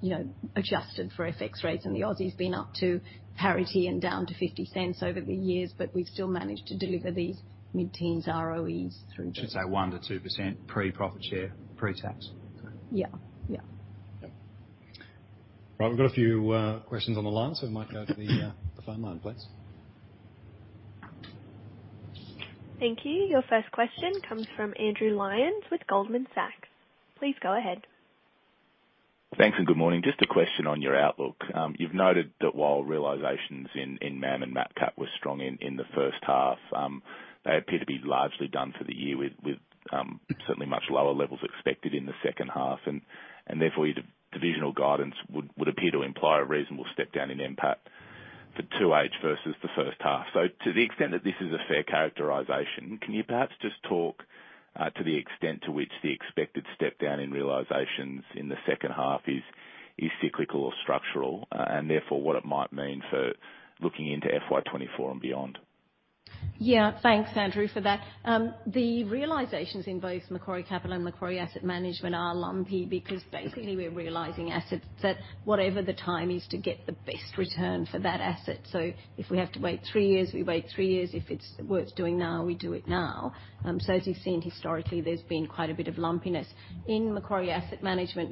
Speaker 2: you know, adjusted for FX rates. The Aussie's been up to parity and down to 50 cents over the years, but we've still managed to deliver these mid-teens ROEs.
Speaker 3: Should say 1%-2% pre-profit share, pre-tax.
Speaker 2: Yeah. Yeah.
Speaker 3: Yeah.
Speaker 1: Right. We've got a few questions on the line, so we might go to the phone line, please.
Speaker 9: Thank you. Your first question comes from Andrew Lyons with Goldman Sachs. Please go ahead.
Speaker 10: Thanks and good morning. Just a question on your outlook. You've noted that while realizations in MAM and Macquarie Capital were strong in the first half, they appear to be largely done for the year with certainly much lower levels expected in the second half. Therefore your divisional guidance would appear to imply a reasonable step down in NPAT for 2H versus the first half. To the extent that this is a fair characterization, can you perhaps just talk to the extent to which the expected step down in realizations in the second half is cyclical or structural, and therefore what it might mean for looking into FY 2024 and beyond?
Speaker 2: Yeah. Thanks, Andrew, for that. The realizations in both Macquarie Capital and Macquarie Asset Management are lumpy because basically we're realizing assets at whatever the time is to get the best return for that asset. If we have to wait three years, we wait three years. If it's worth doing now, we do it now. As you've seen historically, there's been quite a bit of lumpiness. In Macquarie Asset Management,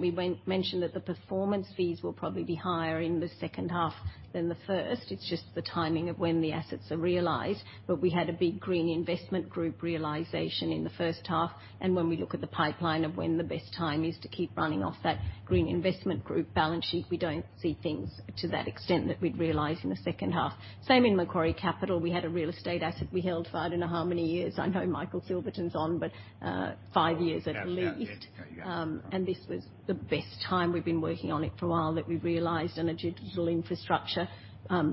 Speaker 2: mentioned that the performance fees will probably be higher in the second half than the first. It's just the timing of when the assets are realized. We had a big Green Investment Group realization in the first half, and when we look at the pipeline of when the best time is to keep running off that Green Investment Group balance sheet, we don't see things to that extent that we'd realize in the second half. Same in Macquarie Capital. We had a real estate asset we held for I don't know how many years. I know Michael Silverton's on, but five years at least. This was the best time. We've been working on it for a while, that we realized in a digital infrastructure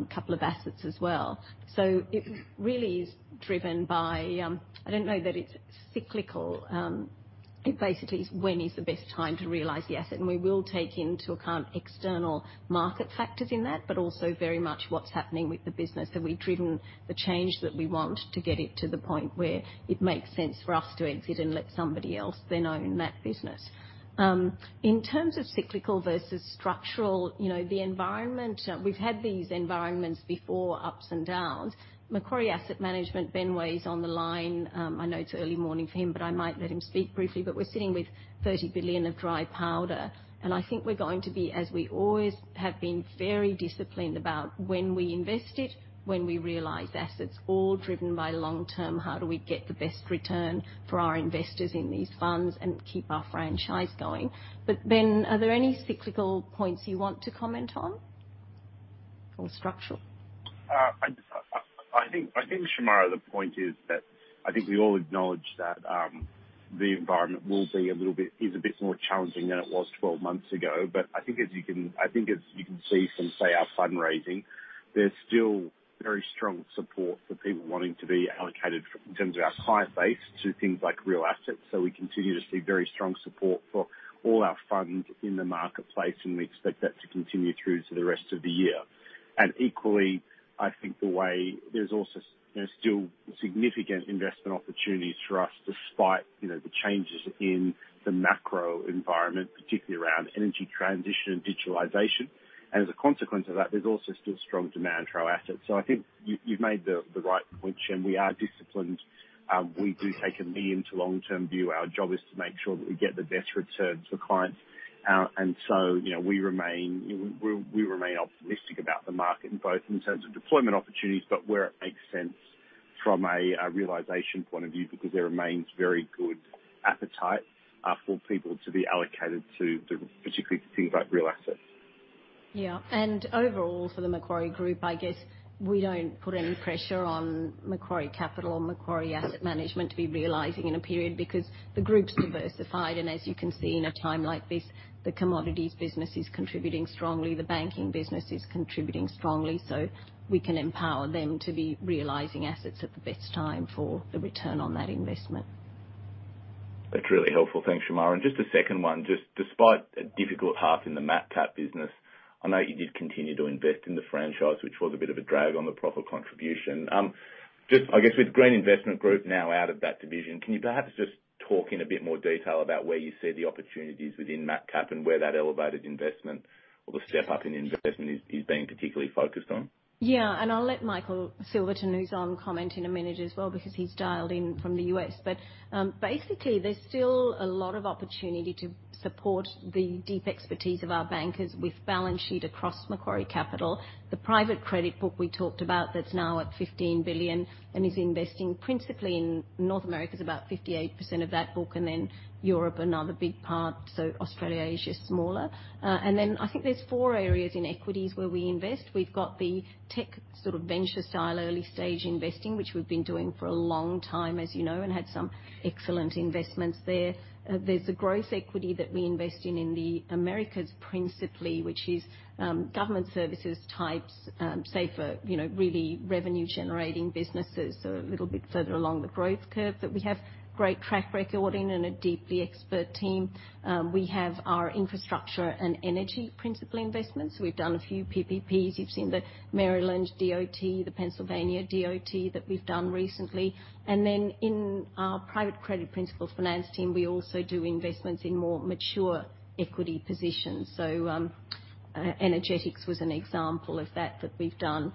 Speaker 2: couple of assets as well. It really is driven by, I don't know that it's cyclical. It basically is when is the best time to realize the asset, and we will take into account external market factors in that, but also very much what's happening with the business. Have we driven the change that we want to get it to the point where it makes sense for us to exit and let somebody else then own that business? In terms of cyclical versus structural, you know, the environment, we've had these environments before, ups and downs. Macquarie Asset Management, Ben Way's on the line. I know it's early morning for him, but I might let him speak briefly. We're sitting with 30 billion of dry powder, and I think we're going to be, as we always have been, very disciplined about when we invest it, when we realize assets, all driven by long term, how do we get the best return for our investors in these funds and keep our franchise going? Ben, are there any cyclical points you want to comment on? Or structural?
Speaker 11: I think, Shemara, the point is that I think we all acknowledge that the environment is a bit more challenging than it was 12 months ago. I think as you can see from, say, our fundraising, there's still very strong support for people wanting to be allocated from, in terms of our client base to things like real assets. We continue to see very strong support for all our funds in the marketplace, and we expect that to continue through to the rest of the year. Equally, I think there's also still significant investment opportunities for us despite the changes in the macro environment, particularly around energy transition and digitalization. As a consequence of that, there's also still strong demand for our assets. I think you've made the right point, Shem. We are disciplined. We do take a medium to long-term view. Our job is to make sure that we get the best returns for clients. You know, we remain optimistic about the market, both in terms of deployment opportunities but where it makes sense from a realization point of view. There remains very good appetite for people to be allocated to particularly things like real assets.
Speaker 2: Yeah. Overall, for the Macquarie Group, I guess we don't put any pressure on Macquarie Capital or Macquarie Asset Management to be realizing in a period. Because the group's diversified, and as you can see in a time like this, the commodities business is contributing strongly, the banking business is contributing strongly. We can empower them to be realizing assets at the best time for the return on that investment.
Speaker 10: That's really helpful. Thanks, Shemara. Just a second one. Just despite a difficult half in the MacCap business, I know you did continue to invest in the franchise, which was a bit of a drag on the profit contribution. Just, I guess, with Green Investment Group now out of that division, can you perhaps just talk in a bit more detail about where you see the opportunities within MacCap and where that elevated investment or the step up in investment is being particularly focused on?
Speaker 2: Yeah. I'll let Michael Silverton, who's on, comment in a minute as well because he's dialed in from the US. Basically, there's still a lot of opportunity to support the deep expertise of our bankers with balance sheet across Macquarie Capital. The private credit book we talked about that's now at 15 billion and is investing principally in North America, is about 58% of that book, and then Europe, another big part. Australia, Asia is smaller. And then I think there's four areas in equities where we invest. We've got the tech sort of venture style early stage investing, which we've been doing for a long time, as you know, and had some excellent investments there. There's the growth equity that we invest in the Americas, principally, which is, government services types, safer, you know, really revenue generating businesses. A little bit further along the growth curve that we have great track record and a deeply expert team. We have our infrastructure and energy principal investments. We've done a few PPPs. You've seen the Maryland DOT, the Pennsylvania DOT that we've done recently. Then in our private credit principal finance team, we also do investments in more mature equity positions. Energetics was an example of that we've done.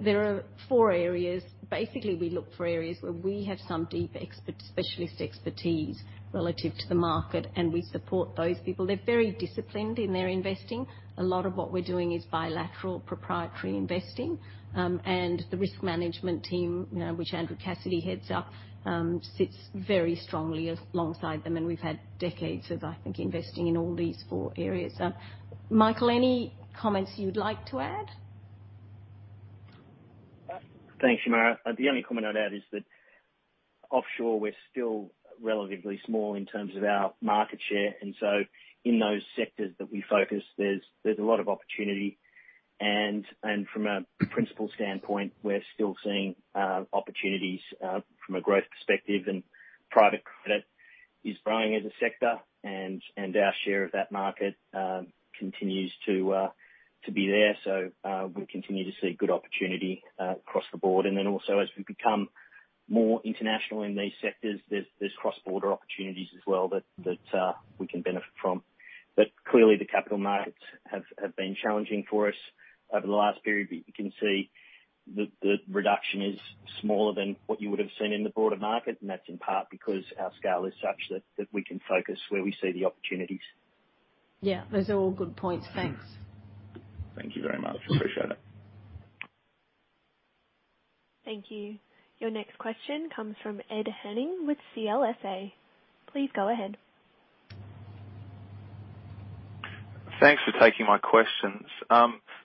Speaker 2: There are four areas. Basically, we look for areas where we have some deep specialist expertise relative to the market, and we support those people. They're very disciplined in their investing. A lot of what we're doing is bilateral proprietary investing, and the risk management team, you know, which Andrew Cassidy heads up, sits very strongly alongside them, and we've had decades of, I think, investing in all these four areas. Michael, any comments you'd like to add?
Speaker 12: Thanks, Shemara. The only comment I'd add is that offshore, we're still relatively small in terms of our market share. In those sectors that we focus, there's a lot of opportunity. From a principal standpoint, we're still seeing opportunities from a growth perspective. Private credit is growing as a sector and our share of that market continues to be there. We continue to see good opportunity across the board. As we become more international in these sectors, there's cross-border opportunities as well that we can benefit from. Clearly, the capital markets have been challenging for us over the last period. You can see that the reduction is smaller than what you would have seen in the broader market, and that's in part because our scale is such that we can focus where we see the opportunities.
Speaker 2: Yeah, those are all good points. Thanks.
Speaker 10: Thank you very much. Appreciate it.
Speaker 9: Thank you. Your next question comes from Ed Henning with CLSA. Please go ahead.
Speaker 13: Thanks for taking my questions.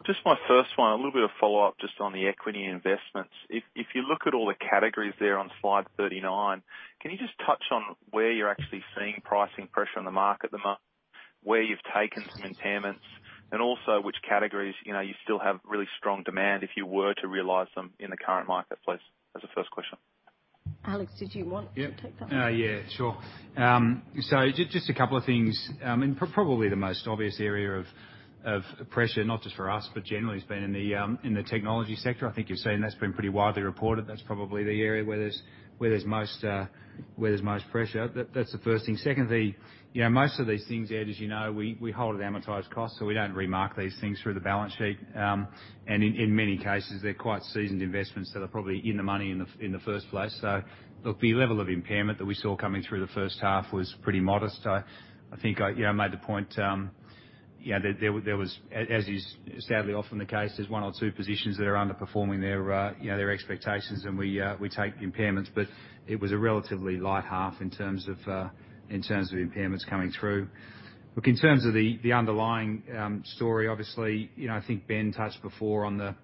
Speaker 13: Just my first one, a little bit of follow-up just on the equity investments. If you look at all the categories there on slide 39, can you just touch on where you're actually seeing pricing pressure on the market at the moment, where you've taken some impairments, and also which categories, you know, you still have really strong demand if you were to realize them in the current marketplace? As a first question.
Speaker 2: Alex, did you want to take that?
Speaker 3: Sure. Just a couple of things. Probably the most obvious area of pressure, not just for us, but generally has been in the technology sector. I think you're seeing that's been pretty widely reported. That's probably the area where there's most pressure. That's the first thing. Secondly, you know, most of these things, Ed, as you know, we hold an amortized cost, so we don't remark these things through the balance sheet. In many cases, they're quite seasoned investments, so they're probably in the money in the first place. Look, the level of impairment that we saw coming through the first half was pretty modest. I think you know I made the point that there was, as is sadly often the case, there's one or two positions that are underperforming their expectations and we take the impairments. It was a relatively light half in terms of impairments coming through. Look, in terms of the underlying story, obviously, you know, I think Ben touched before on the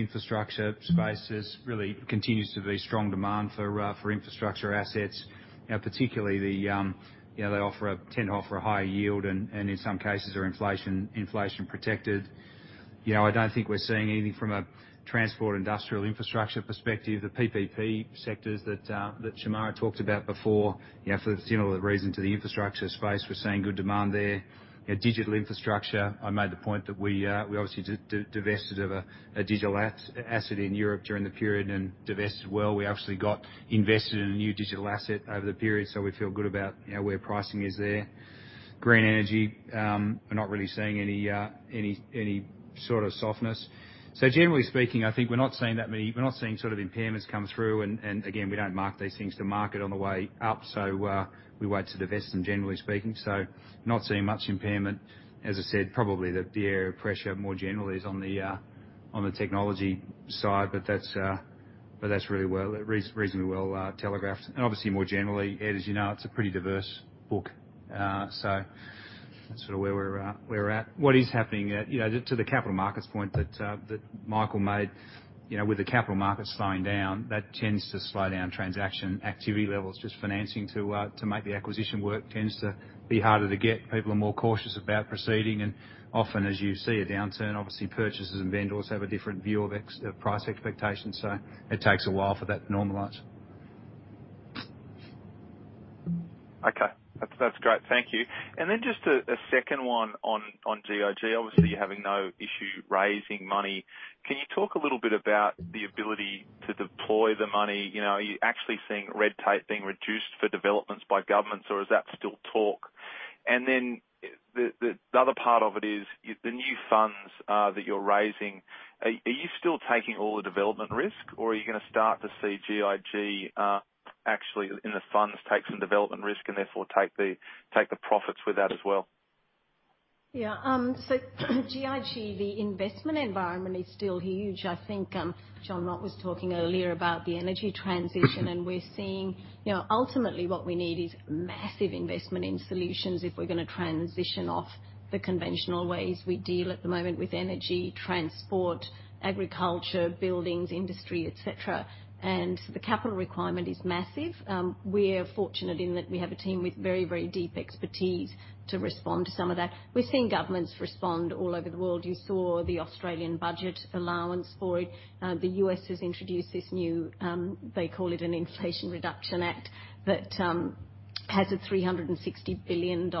Speaker 3: infrastructure spaces. It really continues to be strong demand for infrastructure assets. You know, particularly they tend to offer a higher yield and in some cases are inflation protected. You know, I don't think we're seeing anything from a transport industrial infrastructure perspective. The PPP sectors that Shemara talked about before, you know, for the similar reason to the infrastructure space, we're seeing good demand there. Digital infrastructure, I made the point that we obviously divested of a digital asset in Europe during the period, and divested well. We actually invested in a new digital asset over the period, so we feel good about, you know, where pricing is there. Green energy, we're not really seeing any sort of softness. Generally speaking, I think we're not seeing that many impairments come through, and again, we don't mark these things to market on the way up, so we wait to divest them, generally speaking. Not seeing much impairment. As I said, probably the area of pressure more generally is on the technology side, but that's really reasonably well telegraphed. Obviously more generally, Ed, as you know, it's a pretty diverse book. So that's sort of where we're at. What is happening, you know, to the capital markets point that Michael made, you know, with the capital markets slowing down, that tends to slow down transaction activity levels. Just financing to make the acquisition work tends to be harder to get. People are more cautious about proceeding. Often, as you see a downturn, obviously purchasers and vendors have a different view of price expectations, so it takes a while for that to normalize.
Speaker 13: Okay. That's great. Thank you. Then just a second one on GIG. Obviously you're having no issue raising money. Can you talk a little bit about the ability to deploy the money? You know, are you actually seeing red tape being reduced for developments by governments, or is that still talk? Then the other part of it is the new funds that you're raising, are you still taking all the development risk, or are you gonna start to see GIG actually in the funds take some development risk and therefore take the profits with that as well?
Speaker 2: Yeah. GIG, the investment environment is still huge. I think, Justin Moffitt was talking earlier about the energy transition, and we're seeing, you know, ultimately what we need is massive investment in solutions if we're gonna transition off the conventional ways we deal at the moment with energy, transport, agriculture, buildings, industry, et cetera. The capital requirement is massive. We're fortunate in that we have a team with very, very deep expertise to respond to some of that. We're seeing governments respond all over the world. You saw the Australian budget allowance for it. The U.S. has introduced this new, they call it an Inflation Reduction Act that has a $360 billion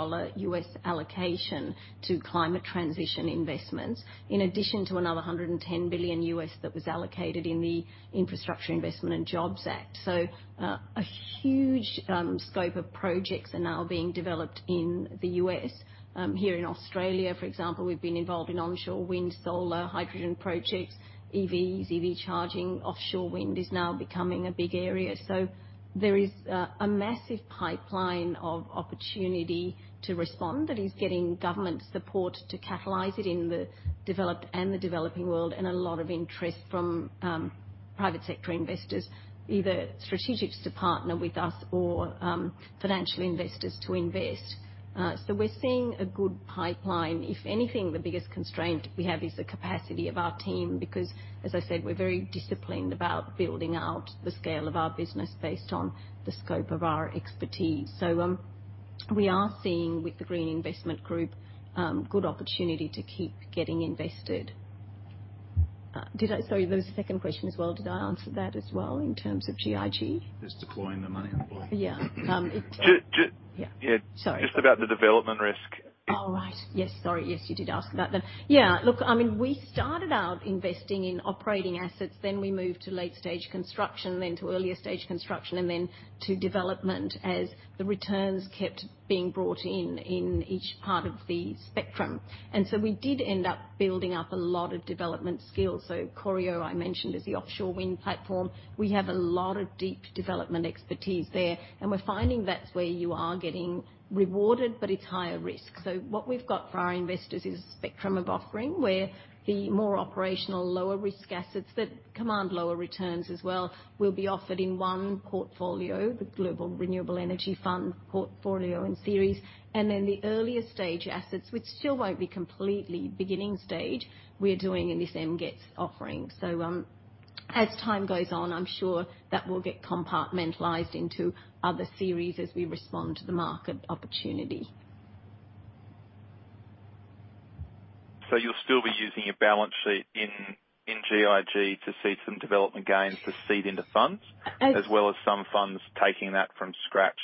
Speaker 2: allocation to climate transition investments, in addition to another $110 billion that was allocated in the Infrastructure Investment and Jobs Act. A huge scope of projects are now being developed in the U.S. Here in Australia, for example, we've been involved in onshore wind, solar, hydrogen projects, Evie's, Evie charging. Offshore wind is now becoming a big area. There is a massive pipeline of opportunity to respond that is getting government support to catalyze it in the developed and the developing world, and a lot of interest from private sector investors, either strategics to partner with us or financial investors to invest. We're seeing a good pipeline. If anything, the biggest constraint we have is the capacity of our team because, as I said, we're very disciplined about building out the scale of our business based on the scope of our expertise. We are seeing, with the Green Investment Group, good opportunity to keep getting invested. Sorry, there was a second question as well. Did I answer that as well in terms of GIG?
Speaker 3: Just deploying the money on the floor.
Speaker 2: Yeah. Yeah. Sorry.
Speaker 13: Just about the development risk.
Speaker 2: Oh, right. Yes. Sorry. Yes, you did ask about that. Yeah. Look, I mean, we started out investing in operating assets, then we moved to late stage construction, then to earlier stage construction, and then to development as the returns kept being brought in in each part of the spectrum. We did end up building up a lot of development skills. Corio I mentioned is the offshore wind platform. We have a lot of deep development expertise there, and we're finding that's where you are getting rewarded, but it's higher risk. What we've got for our investors is a spectrum of offering, where the more operational, lower risk assets that command lower returns as well will be offered in one portfolio, the Global Renewable Energy Fund portfolio and series. The earlier stage assets, which still won't be completely beginning stage, we're doing in this MGETS offering. As time goes on, I'm sure that will get compartmentalized into other series as we respond to the market opportunity.
Speaker 13: You'll still be using your balance sheet in GIG to seek some development gains to seed into funds.
Speaker 2: It's-
Speaker 13: as well as some funds taking that from scratch?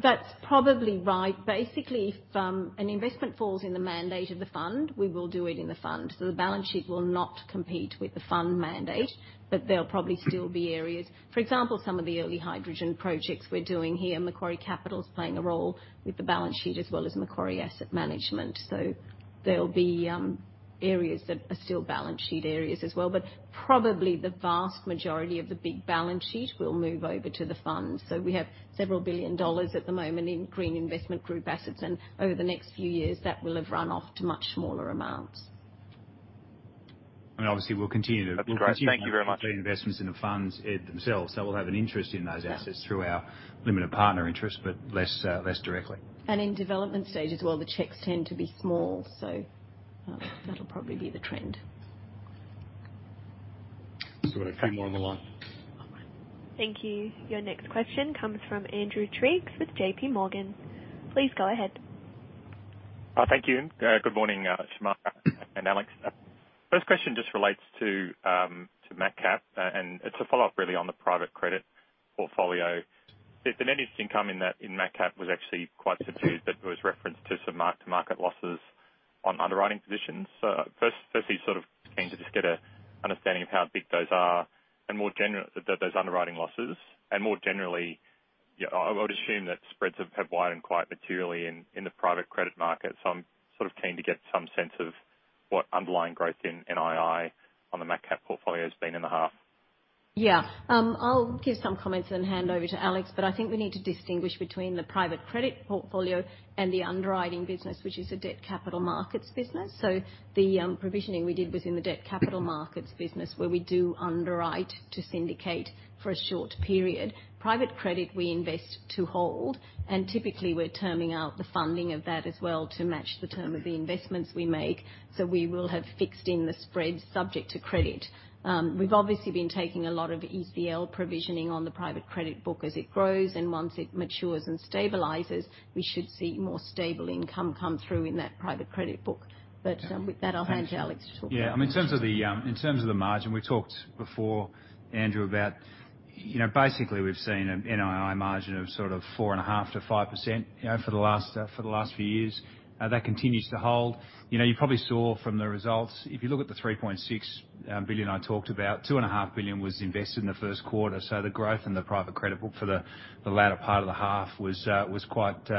Speaker 2: That's probably right. Basically, if an investment falls in the mandate of the fund, we will do it in the fund. The balance sheet will not compete with the fund mandate, but there'll probably still be areas. For example, some of the early hydrogen projects we're doing here, Macquarie Capital is playing a role with the balance sheet as well as Macquarie Asset Management. There'll be areas that are still balance sheet areas as well. Probably the vast majority of the big balance sheet will move over to the fund. We have several billion AUD at the moment in Green Investment Group assets, and over the next few years, that will have run off to much smaller amounts.
Speaker 3: Obviously we'll continue to.
Speaker 13: That's great. Thank you very much.
Speaker 3: We'll continue to make green investments in the funds themselves, so we'll have an interest in those assets.
Speaker 2: Yeah.
Speaker 3: through our limited partner interest, but less directly.
Speaker 2: In development stage as well, the checks tend to be small, so that'll probably be the trend.
Speaker 3: Still got a few more on the line.
Speaker 9: Thank you. Your next question comes from Andrew Triggs with JP Morgan. Please go ahead.
Speaker 14: Thank you. Good morning, Shemara and Alex. First question just relates to Macquarie Asset Management, and it's a follow-up really on the private credit portfolio. If the net interest income in that, in Macquarie Asset Management was actually quite subdued, but there was reference to some mark-to-market losses on underwriting positions. Firstly, sort of keen to just get an understanding of how big those are and more generally those underwriting losses, and more generally, I would assume that spreads have widened quite materially in the private credit market. I'm sort of keen to get some sense of what underlying growth in NII on the Macquarie Asset Management portfolio's been in the half.
Speaker 2: Yeah. I'll give some comments and hand over to Alex, but I think we need to distinguish between the private credit portfolio and the underwriting business, which is a debt capital markets business. The provisioning we did was in the debt capital markets business where we do underwrite to syndicate for a short period. Private credit we invest to hold, and typically, we're terming out the funding of that as well to match the term of the investments we make, so we will have fixed in the spread subject to credit. We've obviously been taking a lot of ECL provisioning on the private credit book as it grows, and once it matures and stabilizes, we should see more stable income come through in that private credit book.
Speaker 14: Okay.
Speaker 2: With that, I'll hand to Alex to talk about.
Speaker 3: Yeah. I mean, in terms of the margin, we talked before, Andrew, about, you know, basically, we've seen a NII margin of sort of 4.5%-5%, you know, for the last few years. That continues to hold. You know, you probably saw from the results, if you look at the 3.6 billion I talked about, 2.5 billion was invested in the Q1. So the growth in the private credit book for the latter part of the half was quite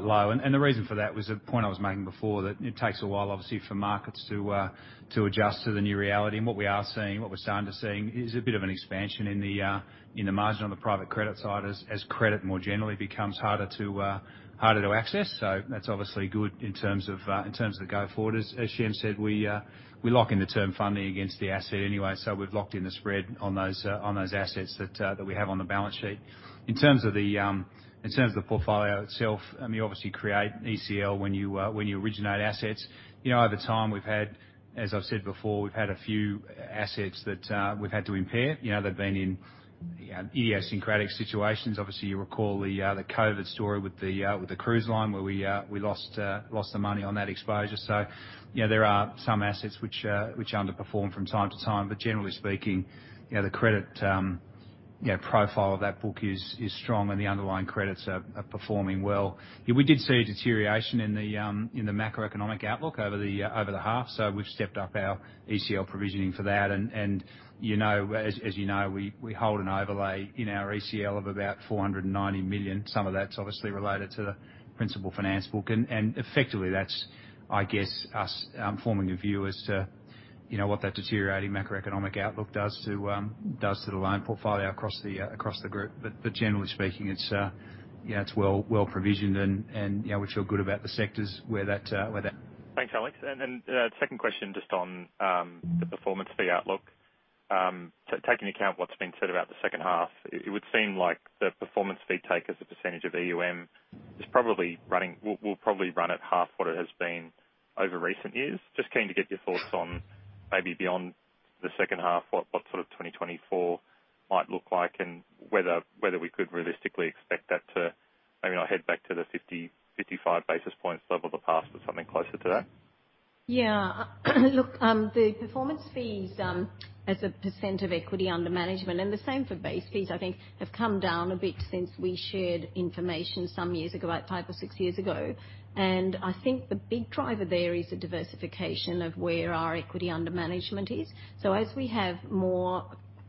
Speaker 3: low. The reason for that was the point I was making before that it takes a while obviously for markets to adjust to the new reality. What we are seeing, what we're starting to see is a bit of an expansion in the margin on the private credit side as credit more generally becomes harder to access. That's obviously good in terms of the going forward. Shem said, we lock in the term funding against the asset anyway, so we've locked in the spread on those assets that we have on the balance sheet. In terms of the portfolio itself, I mean, obviously create ECL when you originate assets. You know, over time we've had, as I've said before, we've had a few assets that we've had to impair. You know, they've been in idiosyncratic situations. Obviously, you recall the COVID story with the cruise line where we lost some money on that exposure. You know, there are some assets which underperform from time to time. Generally speaking, you know, the credit profile of that book is strong and the underlying credits are performing well. Yeah, we did see a deterioration in the macroeconomic outlook over the half, so we've stepped up our ECL provisioning for that. You know, as you know, we hold an overlay in our ECL of about 490 million. Some of that's obviously related to the principal finance book. Effectively that's, I guess, us forming a view as to, you know, what that deteriorating macroeconomic outlook does to the loan portfolio across the group. Generally speaking, it's, you know, it's well-provisioned and, you know, we feel good about the sectors where that,
Speaker 14: Thanks, Alex. Second question just on the performance fee outlook. Taking account what's been said about the second half, it would seem like the performance fee take as a percentage of EUM will probably run at half what it has been over recent years. Just keen to get your thoughts on maybe beyond the second half, what sort of 2024 might look like and whether we could realistically expect that to maybe not head back to the 50-55 basis points level of the past, but something closer to that.
Speaker 2: Yeah. Look, the performance fees, as a % of equity under management, and the same for base fees, I think have come down a bit since we shared information some years ago, about five or six years ago. I think the big driver there is the diversification of where our equity under management is. As we have more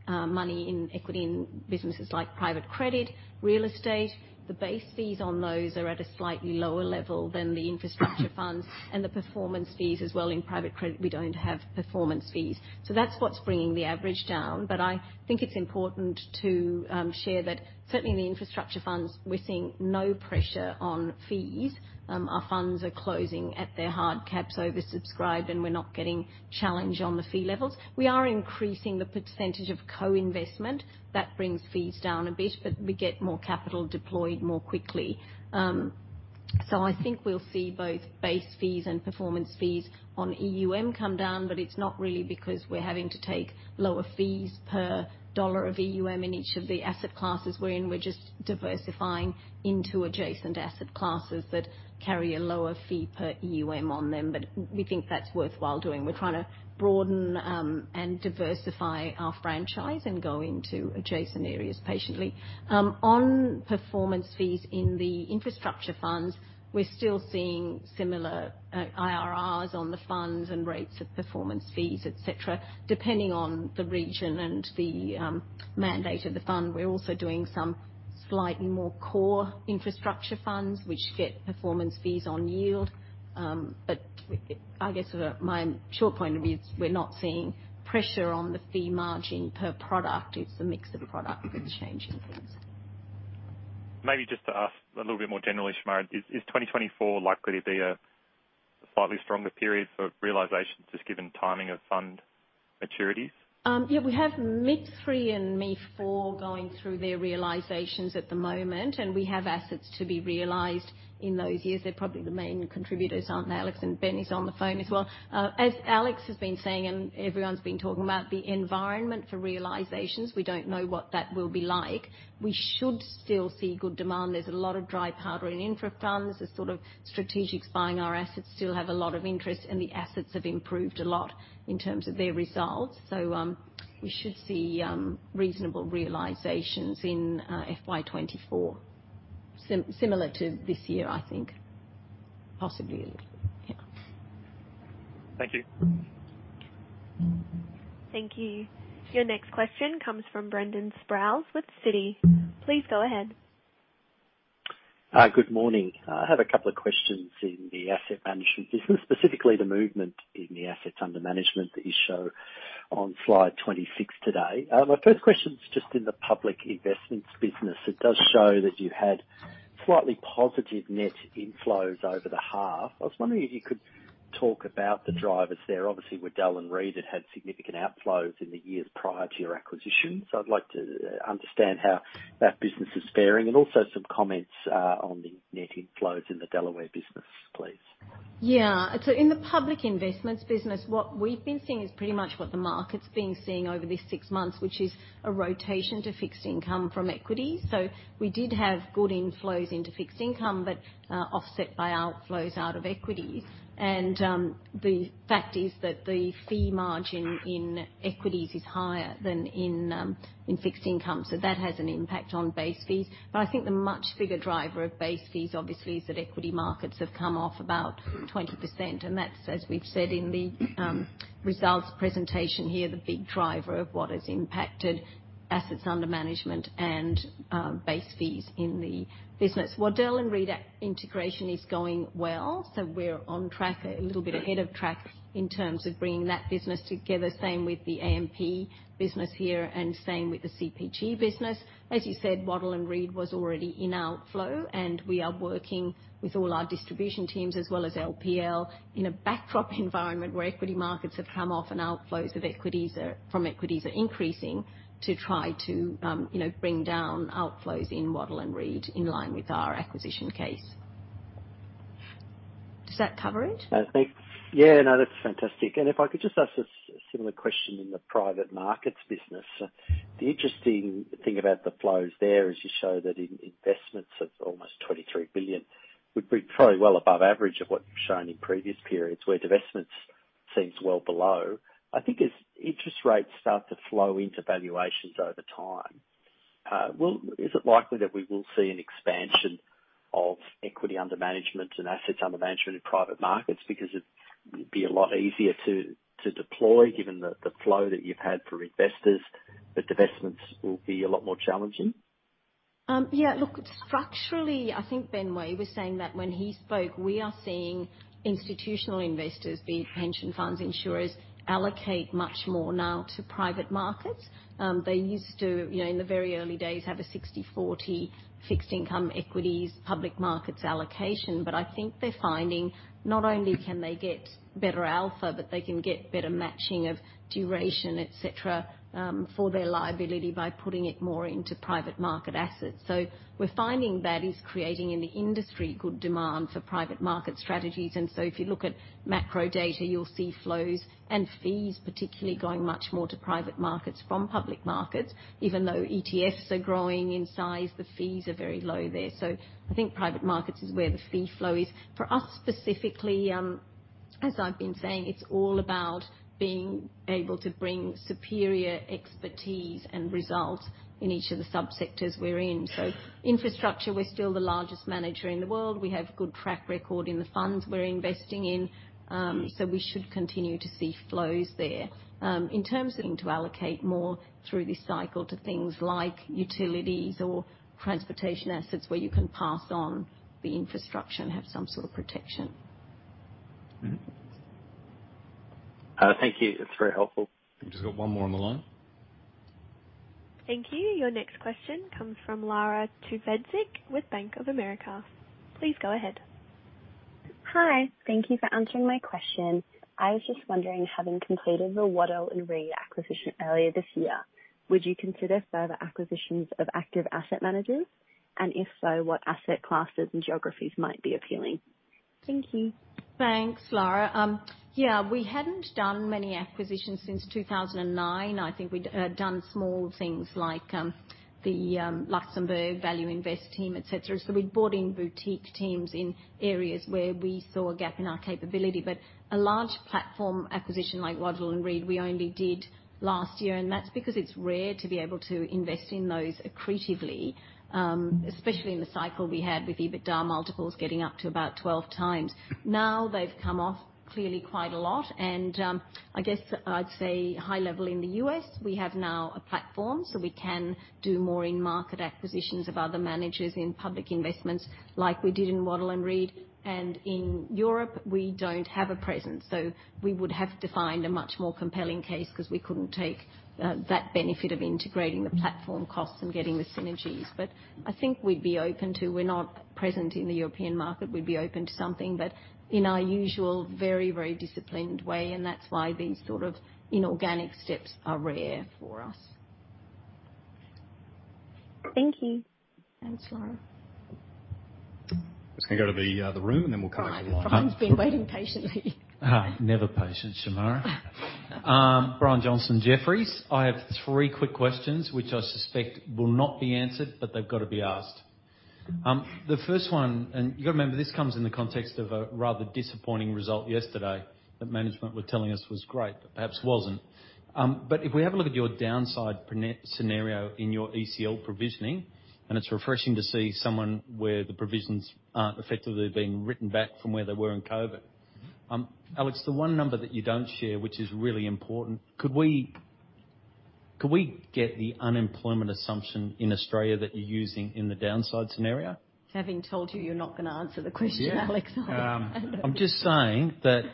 Speaker 2: money in equity in businesses like private credit, real estate, the base fees on those are at a slightly lower level than the infrastructure funds and the performance fees as well. In private credit, we don't have performance fees. That's what's bringing the average down. I think it's important to share that certainly in the infrastructure funds, we're seeing no pressure on fees. Our funds are closing at their hard caps oversubscribed, and we're not getting challenged on the fee levels. We are increasing the percentage of co-investment. That brings fees down a bit, but we get more capital deployed more quickly. I think we'll see both base fees and performance fees on EUM come down, but it's not really because we're having to take lower fees per dollar of EUM in each of the asset classes we're in. We're just diversifying into adjacent asset classes that carry a lower fee per EUM on them. We think that's worthwhile doing. We're trying to broaden and diversify our franchise and go into adjacent areas patiently. On performance fees in the infrastructure funds, we're still seeing similar IRRs on the funds and rates of performance fees, et cetera, depending on the region and the mandate of the fund. We're also doing some slightly more core infrastructure funds, which get performance fees on yield. I guess my short point of view is we're not seeing pressure on the fee margin per product. It's the mix of product that's changing things.
Speaker 14: Maybe just to ask a little bit more generally, Shemara, is 2024 likely to be a slightly stronger period for realizations just given timing of fund maturities?
Speaker 2: Yeah, we have MIP III and MIP IV going through their realizations at the moment, and we have assets to be realized in those years. They're probably the main contributors, aren't they, Alex? Ben is on the phone as well. As Alex has been saying and everyone's been talking about the environment for realizations, we don't know what that will be like. We should still see good demand. There's a lot of dry powder in infra funds. The sort of strategic buyers our assets still have a lot of interest, and the assets have improved a lot in terms of their results. We should see reasonable realizations in FY 2024 similar to this year, I think. Possibly a little more. Yeah.
Speaker 14: Thank you.
Speaker 9: Thank you. Your next question comes from Brendan Sproules with Citi. Please go ahead.
Speaker 15: Good morning. I have a couple of questions in the asset management business, specifically the movement in the assets under management that you show on slide 26 today. My first question is just in the public investments business. It does show that you had slightly positive net inflows over the half. I was wondering if you could talk about the drivers there. Obviously, Waddell & Reed had had significant outflows in the years prior to your acquisition, so I'd like to understand how that business is faring and also some comments on the net inflows in the Delaware business, please.
Speaker 2: Yeah. In the public investments business, what we've been seeing is pretty much what the market's been seeing over this six months, which is a rotation to fixed income from equity. We did have good inflows into fixed income but, offset by outflows out of equities. The fact is that the fee margin in equities is higher than in fixed income, so that has an impact on base fees. I think the much bigger driver of base fees, obviously, is that equity markets have come off about 20%, and that's, as we've said in the results presentation here, the big driver of what has impacted assets under management and base fees in the business. Waddell & Reed integration is going well, so we're on track, a little bit ahead of track in terms of bringing that business together. Same with the AMP Capital business here and same with the CGM business. As you said, Waddell & Reed was already in outflow, and we are working with all our distribution teams as well as LPL in a backdrop environment where equity markets have come off and outflows from equities are increasing to try to, you know, bring down outflows in Waddell & Reed in line with our acquisition case. Does that cover it?
Speaker 15: I think. Yeah. No, that's fantastic. If I could just ask a similar question in the private markets business. The interesting thing about the flows there is you show that in investments of almost 23 billion would be probably well above average of what you've shown in previous periods, where divestments seems well below. I think as interest rates start to flow into valuations over time, is it likely that we will see an expansion of equity under management and assets under management in private markets because it'd be a lot easier to deploy given the flow that you've had for investors, but divestments will be a lot more challenging.
Speaker 2: Yeah. Look, structurally, I think Ben Way was saying that when he spoke. We are seeing institutional investors, be it pension funds, insurers, allocate much more now to private markets. They used to, you know, in the very early days, have a 60/40 fixed income equities, public markets allocation. I think they're finding not only can they get better alpha, but they can get better matching of duration, et cetera, for their liability by putting it more into private market assets. We're finding that is creating in the industry good demand for private market strategies. If you look at macro data, you'll see flows and fees, particularly going much more to private markets from public markets. Even though ETFs are growing in size, the fees are very low there. I think private markets is where the fee flow is. For us specifically, as I've been saying, it's all about being able to bring superior expertise and results in each of the subsectors we're in. Infrastructure, we're still the largest manager in the world. We have good track record in the funds we're investing in, so we should continue to see flows there. In terms of having to allocate more through this cycle to things like utilities or transportation assets where you can pass on the infrastructure and have some sort of protection.
Speaker 15: Thank you. It's very helpful.
Speaker 1: We've just got one more on the line.
Speaker 9: Thank you. Your next question comes from Lara Tuvedek with Bank of America. Please go ahead.
Speaker 16: Hi. Thank you for answering my question. I was just wondering, having completed the Waddell & Reed acquisition earlier this year, would you consider further acquisitions of active asset managers? If so, what asset classes and geographies might be appealing? Thank you.
Speaker 2: Thanks, Lara. Yeah, we hadn't done many acquisitions since 2009. I think we'd done small things like the ValueInvest Asset Management team, et cetera. We'd bought in boutique teams in areas where we saw a gap in our capability. A large platform acquisition like Waddell & Reed, we only did last year, and that's because it's rare to be able to invest in those accretively, especially in the cycle we had with EBITDA multiples getting up to about 12x. Now they've come off clearly quite a lot and I guess I'd say high-level in the U.S., we have now a platform, so we can do more in-market acquisitions of other managers in public investments like we did in Waddell & Reed. In Europe, we don't have a presence, so we would have to find a much more compelling case 'cause we couldn't take that benefit of integrating the platform costs and getting the synergies. We're not present in the European market. We'd be open to something, but in our usual very, very disciplined way, and that's why these sort of inorganic steps are rare for us.
Speaker 16: Thank you.
Speaker 2: Thanks, Lara.
Speaker 1: Just gonna go to the room, and then we'll come back to the line.
Speaker 2: Right. Brian's been waiting patiently.
Speaker 6: Never patient, Shemara. Brian Johnson, Jefferies. I have three quick questions which I suspect will not be answered, but they've got to be asked. The first one, you've got to remember, this comes in the context of a rather disappointing result yesterday that management were telling us was great, but perhaps wasn't. If we have a look at your downside scenario in your ECL provisioning, and it's refreshing to see someone where the provisions aren't effectively being written back from where they were in COVID. Alex, the one number that you don't share, which is really important, can we get the unemployment assumption in Australia that you're using in the downside scenario?
Speaker 2: Having told you you're not gonna answer the question, Alex.
Speaker 6: Yeah. I'm just saying that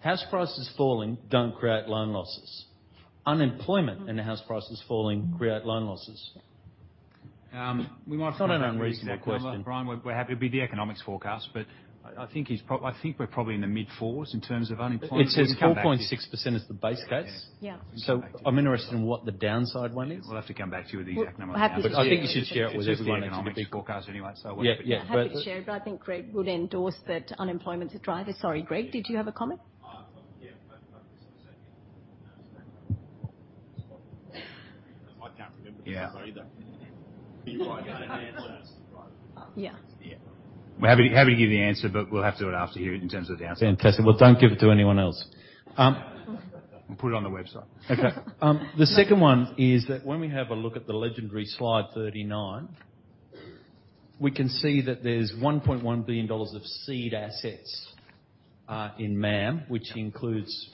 Speaker 6: house prices falling don't create loan losses. Unemployment and the house prices falling create loan losses.
Speaker 3: We might come back to you.
Speaker 6: It's not an unreasonable question.
Speaker 3: Brian, we're happy to give you the economics forecast, but I think we're probably in the mid-fours in terms of unemployment. We can come back to you.
Speaker 6: It says 4.6% is the base case.
Speaker 2: Yeah.
Speaker 3: We can come back to you.
Speaker 6: I'm interested in what the downside one is.
Speaker 3: We'll have to come back to you with the exact numbers.
Speaker 2: We're happy to share.
Speaker 6: I think you should share it with everyone. It's a big-
Speaker 3: It's just the economics forecast anyway, so we're happy to.
Speaker 6: Yeah.
Speaker 2: Happy to share it, but I think Greg would endorse that unemployment's a driver. Sorry, Greg, did you have a comment?
Speaker 6: Yeah. I can't remember the number either.
Speaker 3: Yeah.
Speaker 6: You're right, I mean, the answer is right.
Speaker 2: Yeah.
Speaker 6: Yeah.
Speaker 3: We're happy to give you the answer, but we'll have to after here in terms of the answer.
Speaker 6: Fantastic. Well, don't give it to anyone else.
Speaker 3: We'll put it on the website.
Speaker 6: Okay. The second one is that when we have a look at the legendary slide 39, we can see that there's 1.1 billion dollars of seed assets in MAM, which includes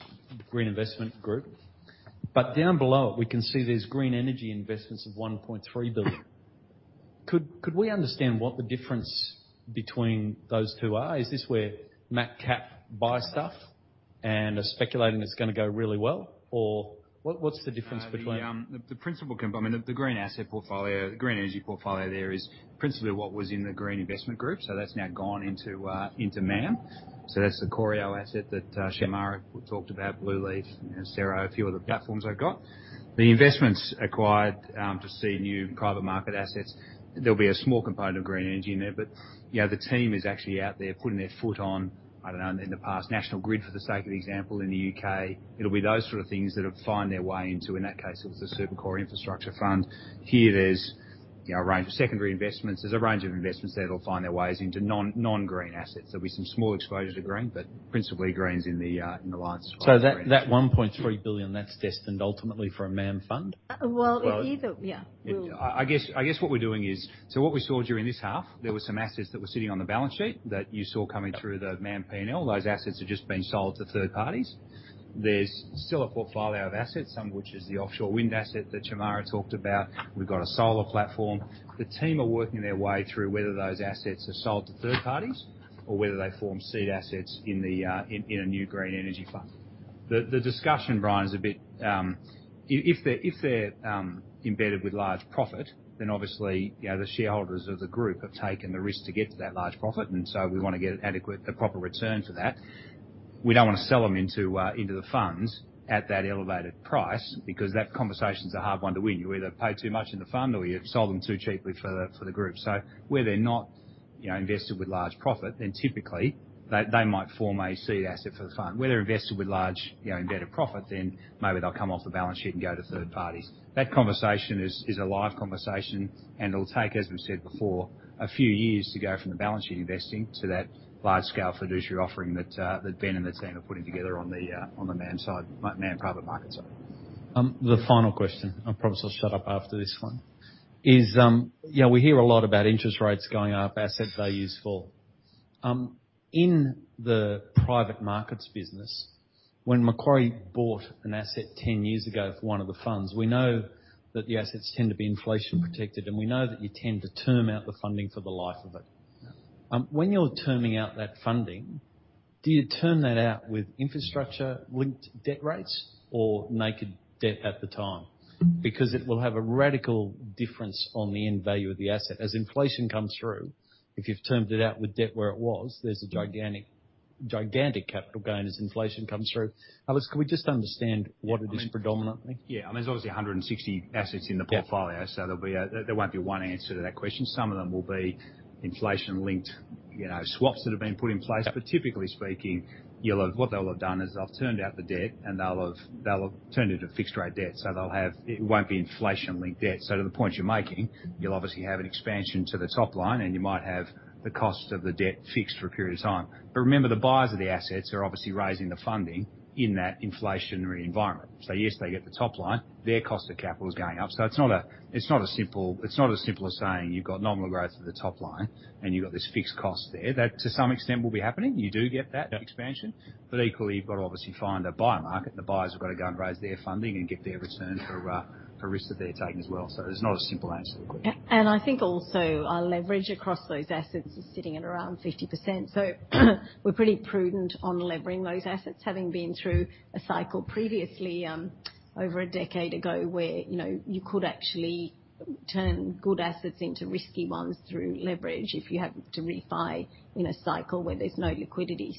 Speaker 6: Green Investment Group. Down below it, we can see there's green energy investments of 1.3 billion. Could we understand what the difference between those two are? Is this where MacCap buy stuff and are speculating it's gonna go really well or what's the difference between those two?
Speaker 3: The green asset portfolio, the green energy portfolio there is principally what was in the Green Investment Group. That's now gone into MAM. That's the Corio asset that Shemara talked about, Blueleaf, and Cero, a few other platforms they've got. The investments acquired to seed new private market assets. There'll be a small component of green energy in there, but you know, the team is actually out there putting their foot on, I don't know, in the past, National Grid, for the sake of example, in the UK. It'll be those sort of things that'll find their way into. In that case, it was the Macquarie Super Core Infrastructure Fund. Here, there's you know, a range of secondary investments. There's a range of investments there that'll find their ways into non-green assets. There'll be some small exposure to green, but principally green's in the likes of green energy.
Speaker 6: That 1.3 billion, that's destined ultimately for a MAM fund?
Speaker 2: Well, yeah.
Speaker 3: I guess what we're doing is what we saw during this half. There were some assets that were sitting on the balance sheet that you saw coming through the MAM P&L. Those assets have just been sold to third parties. There's still a portfolio of assets, some of which is the offshore wind asset that Shemara talked about. We've got a solar platform. The team are working their way through whether those assets are sold to third parties or whether they form seed assets in a new green energy fund. The discussion, Brian, is a bit. If they're embedded with large profit, then obviously, you know, the shareholders of the group have taken the risk to get to that large profit, and we wanna get a proper return for that. We don't wanna sell them into the funds at that elevated price because that conversation's a hard one to win. You either pay too much in the fund, or you sell them too cheaply for the group. Where they're not, you know, invested with large profit, then typically they might form a seed asset for the fund. Where they're invested with large, you know, embedded profit, then maybe they'll come off the balance sheet and go to third parties. That conversation is a live conversation, and it'll take, as we've said before, a few years to go from the balance sheet investing to that large scale fiduciary offering that Ben and the team are putting together on the MAM side, MAM private market side.
Speaker 6: The final question, I promise I'll shut up after this one, is, you know, we hear a lot about interest rates going up, asset values fall. In the private markets business, when Macquarie bought an asset 10 years ago for one of the funds, we know that the assets tend to be inflation protected, and we know that you tend to term out the funding for the life of it. When you're terming out that funding, do you term that out with infrastructure linked debt rates or naked debt at the time? Because it will have a radical difference on the end value of the asset. As inflation comes through, if you've termed it out with debt where it was, there's a gigantic capital gain as inflation comes through. Could we just understand what it is predominantly?
Speaker 3: Yeah. I mean, there's obviously 160 assets in the portfolio.
Speaker 6: Yeah.
Speaker 3: There won't be one answer to that question. Some of them will be inflation linked, you know, swaps that have been put in place.
Speaker 6: Yeah.
Speaker 3: Typically speaking, what they'll have done is they'll have termed out the debt, and they'll have turned it into fixed rate debt. It won't be inflation linked debt. To the point you're making, you'll obviously have an expansion to the top line, and you might have the cost of the debt fixed for a period of time. Remember, the buyers of the assets are obviously raising the funding in that inflationary environment. Yes, they get the top line. Their cost of capital is going up. It's not as simple as saying you've got nominal growth at the top line and you've got this fixed cost there. That to some extent will be happening. You do get that expansion. Equally, you've got to obviously find a buyer market, and the buyers have got to go and raise their funding and get their return for risk that they're taking as well. There's not a simple answer to the question.
Speaker 2: I think also our leverage across those assets is sitting at around 50%. We're pretty prudent on levering those assets. Having been through a cycle previously, over a decade ago, where, you know, you could actually turn good assets into risky ones through leverage if you had to refi in a cycle where there's no liquidity.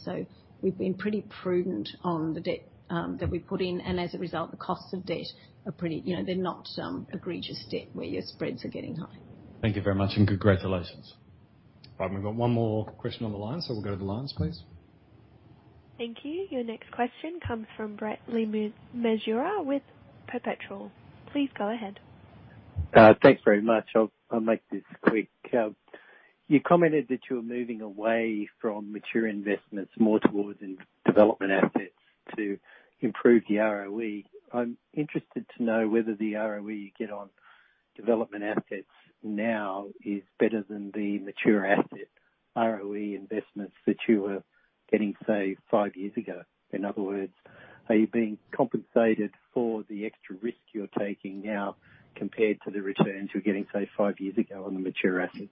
Speaker 2: We've been pretty prudent on the debt, that we put in, and as a result, the costs of debt are pretty. You know, they're not egregious debt where your spreads are getting high.
Speaker 6: Thank you very much, and congratulations.
Speaker 1: Right. We've got one more question on the line, we'll go to the lines, please.
Speaker 9: Thank you. Your next question comes from Brett Le Mesurier with Perpetual. Please go ahead.
Speaker 17: Thanks very much. I'll make this quick. You commented that you were moving away from mature investments more towards in development assets to improve the ROE. I'm interested to know whether the ROE you get on Development assets now is better than the mature asset ROE investments that you were getting, say, five years ago. In other words, are you being compensated for the extra risk you're taking now compared to the returns you're getting, say, five years ago on the mature assets?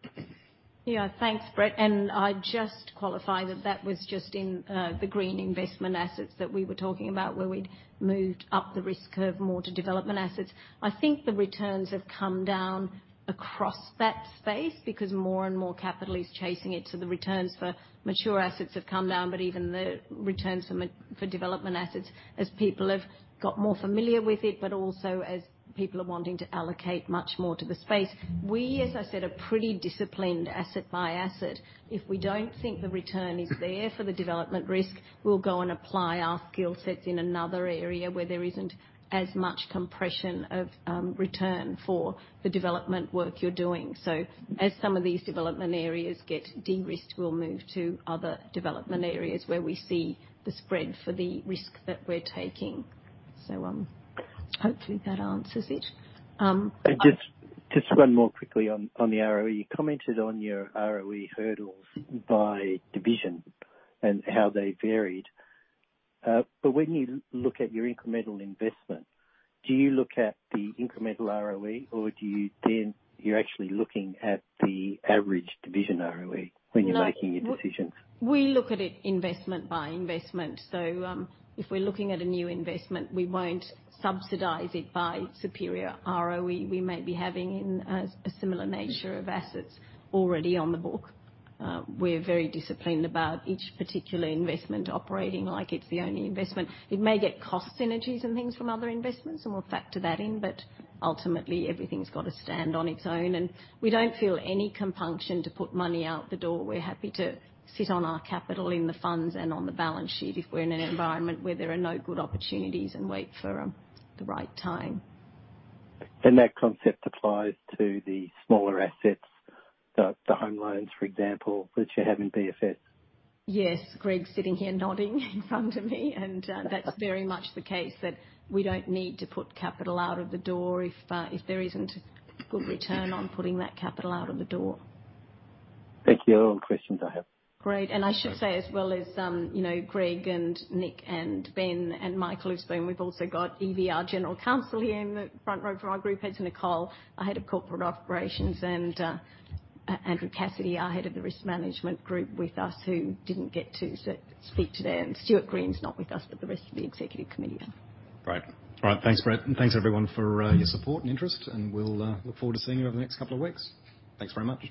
Speaker 2: Yeah. Thanks, Brett. I just qualify that that was just in the green investment assets that we were talking about, where we'd moved up the risk curve more to development assets. I think the returns have come down across that space because more and more capital is chasing it. The returns for mature assets have come down, but even the returns for development assets, as people have got more familiar with it, but also as people are wanting to allocate much more to the space. We, as I said, are pretty disciplined asset by asset. If we don't think the return is there for the development risk, we'll go and apply our skill sets in another area where there isn't as much compression of return for the development work you're doing. As some of these development areas get de-risked, we'll move to other development areas where we see the spread for the risk that we're taking. Hopefully that answers it.
Speaker 17: Just one more quickly on the ROE. You commented on your ROE hurdles by division and how they varied. When you look at your incremental investment, do you look at the incremental ROE or do you then, you're actually looking at the average division ROE when you're making your decisions?
Speaker 2: We look at it investment by investment. If we're looking at a new investment, we won't subsidize it by superior ROE we may be having in a similar nature of assets already on the book. We're very disciplined about each particular investment operating like it's the only investment. It may get cost synergies and things from other investments, and we'll factor that in. Ultimately, everything's got to stand on its own. We don't feel any compunction to put money out the door. We're happy to sit on our capital in the funds and on the balance sheet if we're in an environment where there are no good opportunities and wait for the right time.
Speaker 17: That concept applies to the smaller assets, the home loans, for example, which you have in BFS?
Speaker 2: Yes. Greg's sitting here nodding in front of me. That's very much the case that we don't need to put capital out of the door if there isn't good return on putting that capital out of the door.
Speaker 17: Thank you. All the questions I have.
Speaker 2: Great. I should say as well as you know, Greg and Nick and Ben and Michael who's been, we've also got EV, our general counsel here in the front row for our group, Nicole, our head of corporate operations, and Andrew Cassidy, our head of the risk management group with us who didn't get to speak today. Stuart Green's not with us, but the rest of the executive committee are.
Speaker 1: Great. All right. Thanks, Brett. Thanks everyone for your support and interest, and we'll look forward to seeing you over the next couple of weeks. Thanks very much.